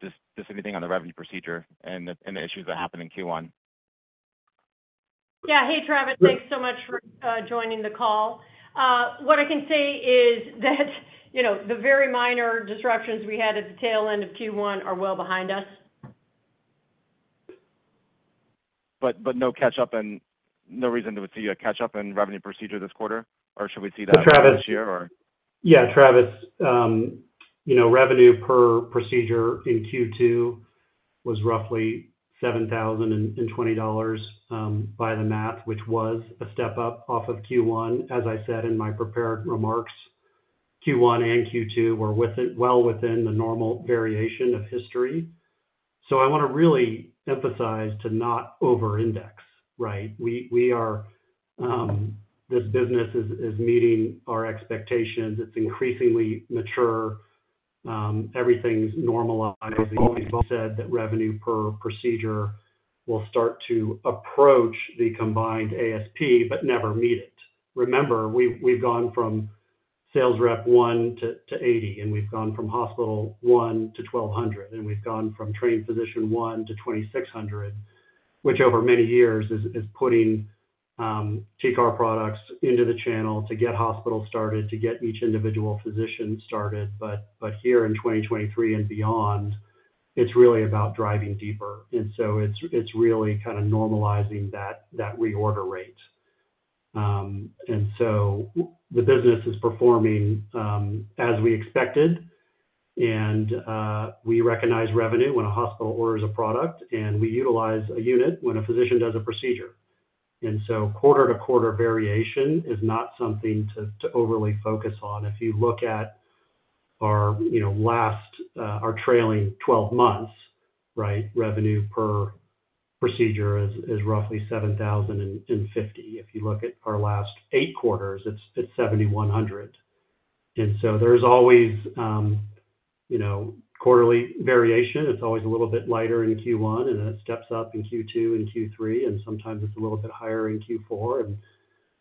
just, just anything on the revenue procedure and the, and the issues that happened in Q1. Yeah. Hey, Travis. Thanks so much for joining the call. What I can say is that, you know, the very minor disruptions we had at the tail end of Q1 are well behind us. No catch-up and no reason to see a catch-up in revenue procedure this quarter. Should we see that? Travis- This year, or? Yeah, Travis, you know, revenue per procedure in Q2 was roughly $7,020 by the math, which was a step up off of Q1, as I said in my prepared remarks. Q1 and Q2 were within, well within the normal variation of history. I want to really emphasize to not over-index, right? We, we are, this business is meeting our expectations. It's increasingly mature, everything's normalizing. We said that revenue per procedure will start to approach the combined ASP, but never meet it. Remember, we've, we've gone from sales rep 1 to, to 80, and we've gone from hospital 1 to 1,200, and we've gone from trained physician 1 to 2,600, which over many years is, is putting TCAR products into the channel to get hospitals started, to get each individual physician started. Here in 2023 and beyond, it's really about driving deeper. So it's, it's really kind of normalizing that, that reorder rate. So the business is performing as we expected, and we recognize revenue when a hospital orders a product, and we utilize a unit when a physician does a procedure. So quarter-to-quarter variation is not something to, to overly focus on. If you look at our, you know, last, our trailing 12 months, right? Revenue per procedure is, is roughly $7,050. If you look at our last 8 quarters, it's, it's $7,100. So there's always, you know, quarterly variation. It's always a little bit lighter in Q1, and then it steps up in Q2 and Q3, and sometimes it's a little bit higher in Q4, and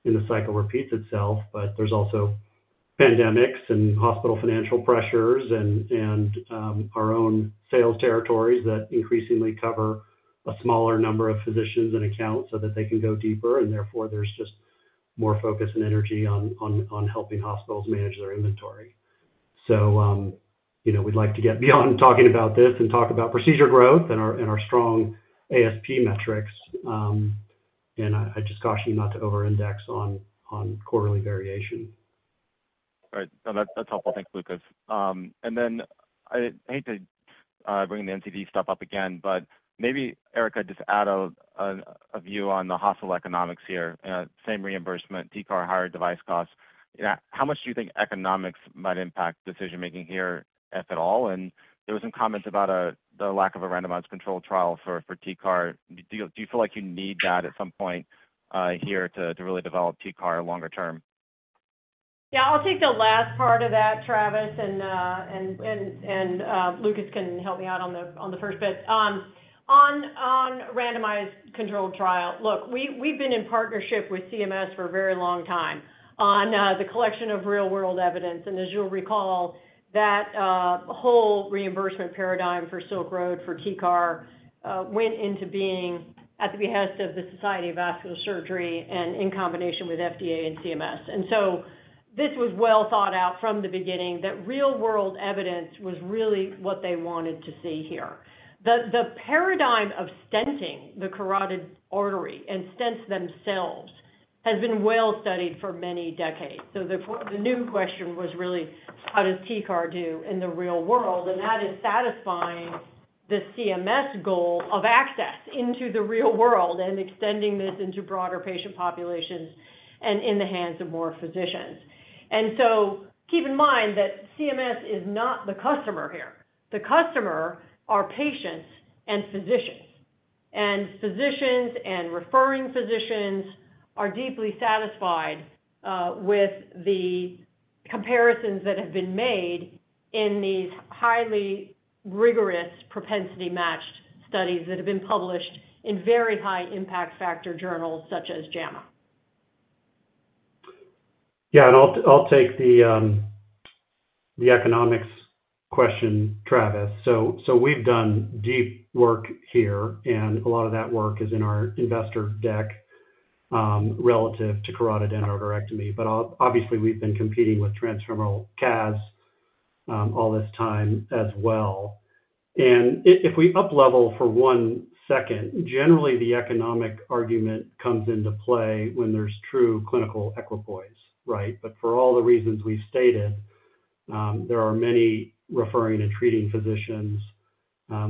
then the cycle repeats itself. There's also pandemics and hospital financial pressures, our own sales territories that increasingly cover a smaller number of physicians and accounts so that they can go deeper, and therefore, there's just more focus and energy on helping hospitals manage their inventory. You know, we'd like to get beyond talking about this and talk about procedure growth and our, and our strong ASP metrics. I just caution you not to overindex on quarterly variation. All right. No, that's, that's helpful. Thanks, Lucas. I hate to bring the NCD stuff up again, but maybe Erica, just add a view on the hospital economics here. Same reimbursement, TCAR, higher device costs. How much do you think economics might impact decision-making here, if at all? There were some comments about a, the lack of a randomized controlled trial for TCAR. Do you, do you feel like you need that at some point, here to, to really develop TCAR longer term? Yeah, I'll take the last part of that, Travis, and Lucas can help me out on the first bit. On randomized controlled trial, look, we've been in partnership with CMS for a very long time on the collection of real-world evidence. As you'll recall, that whole reimbursement paradigm for Silk Road, for TCAR, went into being at the behest of the Society for Vascular Surgery and in combination with FDA and CMS. This was well thought out from the beginning, that real-world evidence was really what they wanted to see here. The paradigm of stenting the carotid artery and stents themselves has been well studied for many decades. The new question was really, how does TCAR do in the real world? That is satisfying the CMS goal of access into the real world and extending this into broader patient populations and in the hands of more physicians. Keep in mind that CMS is not the customer here. The customer are patients and physicians, and physicians and referring physicians are deeply satisfied with the comparisons that have been made in these highly rigorous propensity-matched studies that have been published in very high impact factor journals such as JAMA. Yeah, I'll, I'll take the economics question, Travis. We've done deep work here, and a lot of that work is in our investor deck, relative to carotid endarterectomy. Obviously, we've been competing with transfemoral CAS, all this time as well. If, if we uplevel for one second, generally, the economic argument comes into play when there's true clinical equipoise, right? For all the reasons we've stated, there are many referring and treating physicians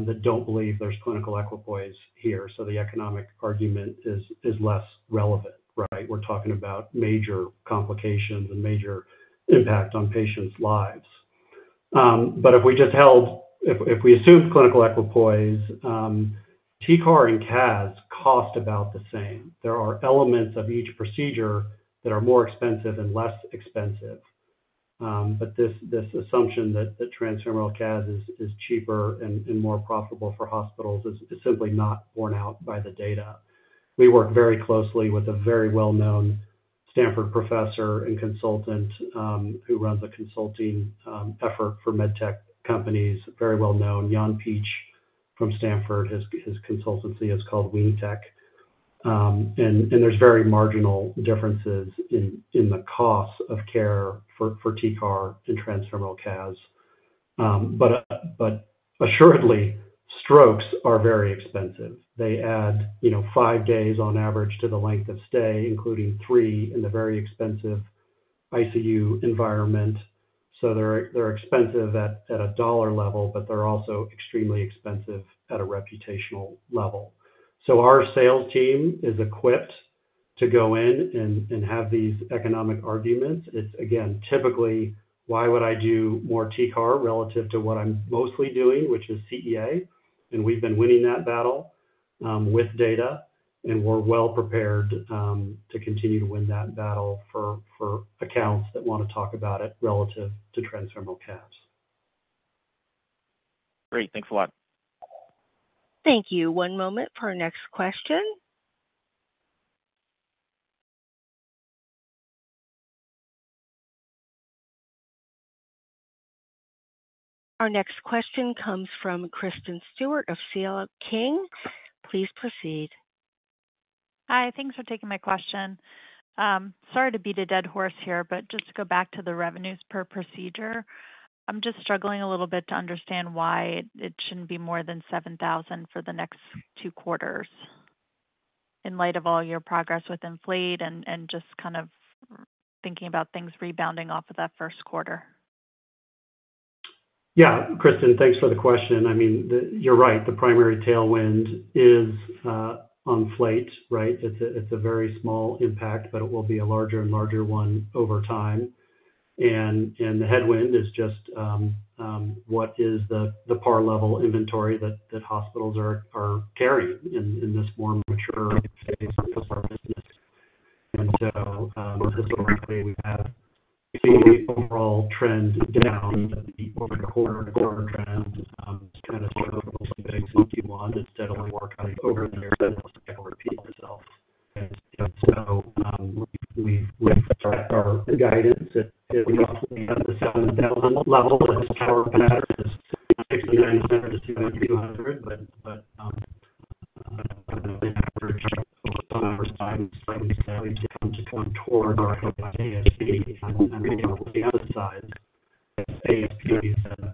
that don't believe there's clinical equipoise here, so the economic argument is, is less relevant, right? We're talking about major complications and major impact on patients' lives. If, if we assumed clinical equipoise, TCAR and CAS cost about the same. There are elements of each procedure that are more expensive and less expensive. This, this assumption that the transfemoral CAS is, is cheaper and, and more profitable for hospitals is, is simply not borne out by the data. We work very closely with a very well-known Stanford University professor and consultant, who runs a consulting effort for med tech companies, very well known, Jan Pietzsch from Stanford University. His, his consultancy is called Wing Tech. There's very marginal differences in, in the cost of care for, for TCAR and transfemoral CAS. Assuredly, strokes are very expensive. They add, you know, five days on average to the length of stay, including three in the very expensive ICU environment. They're, they're expensive at, at a dollar level, but they're also extremely expensive at a reputational level. Our sales team is equipped to go in and, and have these economic arguments. It's, again, typically, why would I do more TCAR relative to what I'm mostly doing, which is CEA? And we've been winning that battle, with data, and we're well prepared, to continue to win that battle for, for accounts that want to talk about it relative to transfemoral caths. Great. Thanks a lot. Thank you. One moment for our next question. Our next question comes from Kristen Stewart of C.L. King. Please proceed. Hi, thanks for taking my question. Sorry to beat a dead horse here, just to go back to the revenues per procedure, I'm just struggling a little bit to understand why it shouldn't be more than $7,000 for the next two quarters, in light of all your progress with ENFLATE and, and just kind of thinking about things rebounding off of that first quarter. Yeah, Kristen, thanks for the question. I mean, you're right, the primary tailwind is ENROUTE ENFLATE, right? It's a, it's a very small impact, but it will be a larger and larger one over time. The headwind is just what is the par level inventory that hospitals are carrying in this more mature phase of our business. Historically, we have seen overall trends down, quarter-to-quarter trends, kind of steadily over the years, it will repeat itself. We've set our guidance at the 7,000 level. This quarter, it matters is 6,900-200, but the impact over time is slightly to come toward our ASP on the other side, as ASP has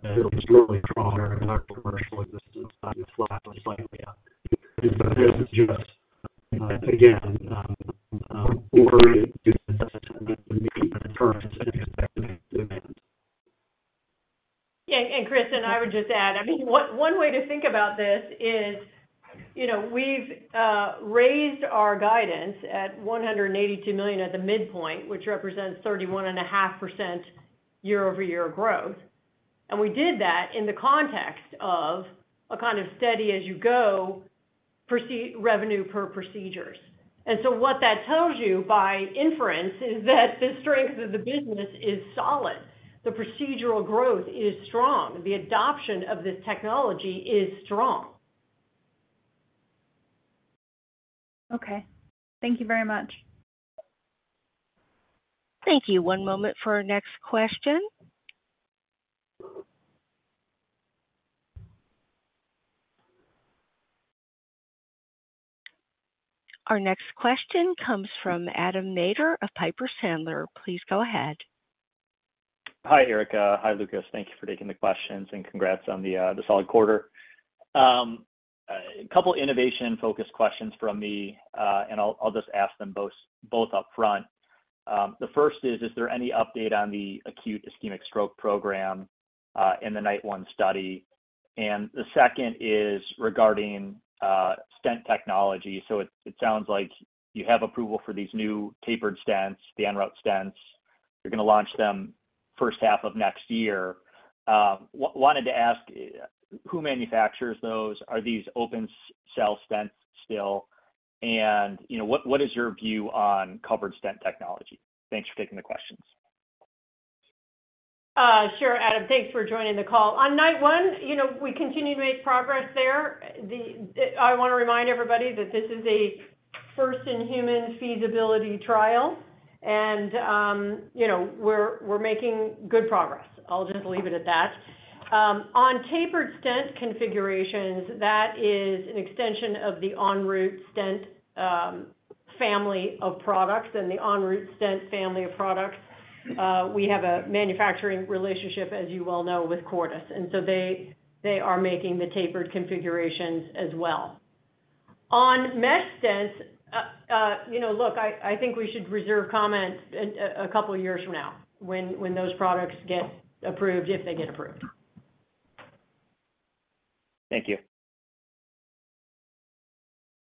been historically stronger in our commercial business, flat slightly. This is just again referring to the current expected demand. Yeah, Kristen, I would just add, I mean, one, one way to think about this is, you know, we've raised our guidance at $182 million at the midpoint, which represents 31.5% year-over-year growth. We did that in the context of a kind of steady as you go proceed- revenue per procedures. What that tells you, by inference, is that the strength of the business is solid, the procedural growth is strong, the adoption of this technology is strong. Okay. Thank you very much. Thank you. One moment for our next question. Our next question comes from Adam Maeder of Piper Sandler. Please go ahead. Hi, Erica. Hi, Lucas. Thank you for taking the questions, and congrats on the solid quarter. A couple innovation-focused questions from me, I'll just ask them both upfront. The first is, is there any update on the acute ischemic stroke program in the NITE-1 study? The second is regarding stent technology. It sounds like you have approval for these new tapered stents, the ENROUTE stents. You're going to launch them first half of next year. Wanted to ask, who manufactures those? Are these open cell stents still? You know, what is your view on covered stent technology? Thanks for taking the questions. Sure, Adam, thanks for joining the call. On NITE-1, you know, we continue to make progress there. The, I want to remind everybody that this is a first-in-human feasibility trial, and, you know, we're, we're making good progress. I'll just leave it at that. On tapered stent configurations, that is an extension of the ENROUTE stent, family of products. The ENROUTE stent family of products, we have a manufacturing relationship, as you well know, with Cordis, and so they, they are making the tapered configurations as well. On mesh stents, you know, look, I, I think we should reserve comments two years from now when, when those products get approved, if they get approved. Thank you.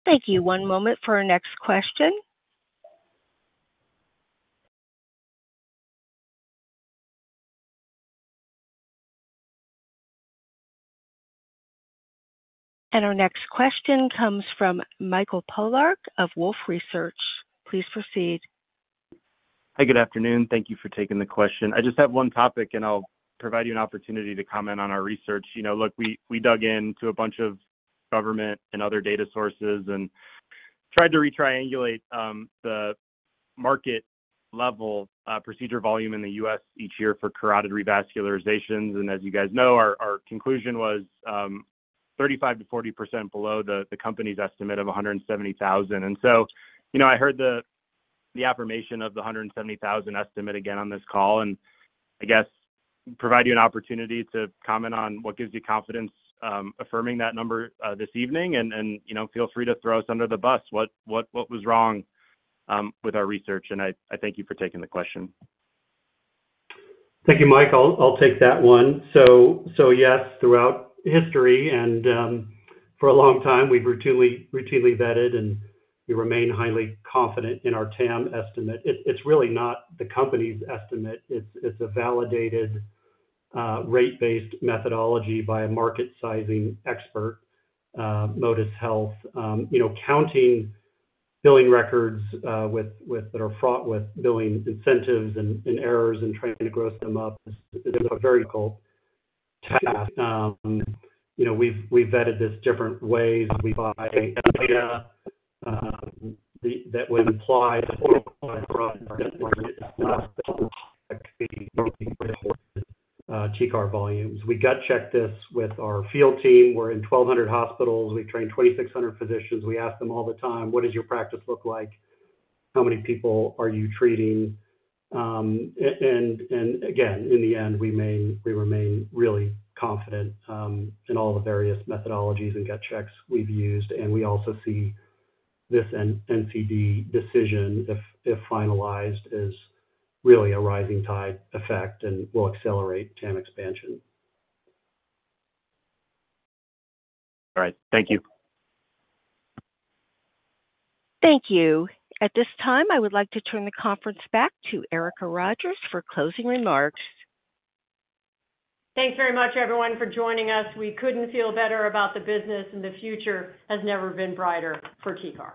Thank you. One moment for our next question. Our next question comes from Mike Polark of Wolfe Research. Please proceed. Hi, good afternoon. Thank you for taking the question. I just have one topic, and I'll provide you an opportunity to comment on our research. You know, look, we, we dug into a bunch of government and other data sources and tried to retriangulate the market level procedure volume in the U.S. each year for carotid revascularizations. As you guys know, our, our conclusion was 35%-40% below the company's estimate of 170,000. You know, I heard the affirmation of the 170,000 estimate again on this call, and I guess provide you an opportunity to comment on what gives you confidence affirming that number this evening, and, you know, feel free to throw us under the bus. What, what, what was wrong with our research? I, I thank you for taking the question. Thank you, Michael. I'll take that one. Yes, throughout history and for a long time, we've routinely, routinely vetted, and we remain highly confident in our TAM estimate. It's, it's really not the company's estimate. It's, it's a validated, rate-based methodology by a market sizing expert, Modis Health. You know, counting billing records, with, with, that are fraught with billing incentives and errors and trying to gross them up is a very cool task. You know, we've, we've vetted this different ways. We buy data, the, that would imply the broad market for TCAR volumes. We gut checked this with our field team. We're in 1,200 hospitals. We've trained 2,600 physicians. We ask them all the time: What does your practice look like? How many people are you treating? Again, in the end, we remain really confident in all the various methodologies and gut checks we've used. We also see this NCD decision, if, if finalized, is really a rising tide effect and will accelerate TAM expansion. All right. Thank you. Thank you. At this time, I would like to turn the conference back to Erica Rogers for closing remarks. Thanks very much, everyone, for joining us. We couldn't feel better about the business, the future has never been brighter for TCAR.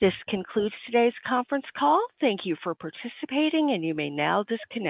This concludes today's conference call. Thank you for participating, and you may now disconnect.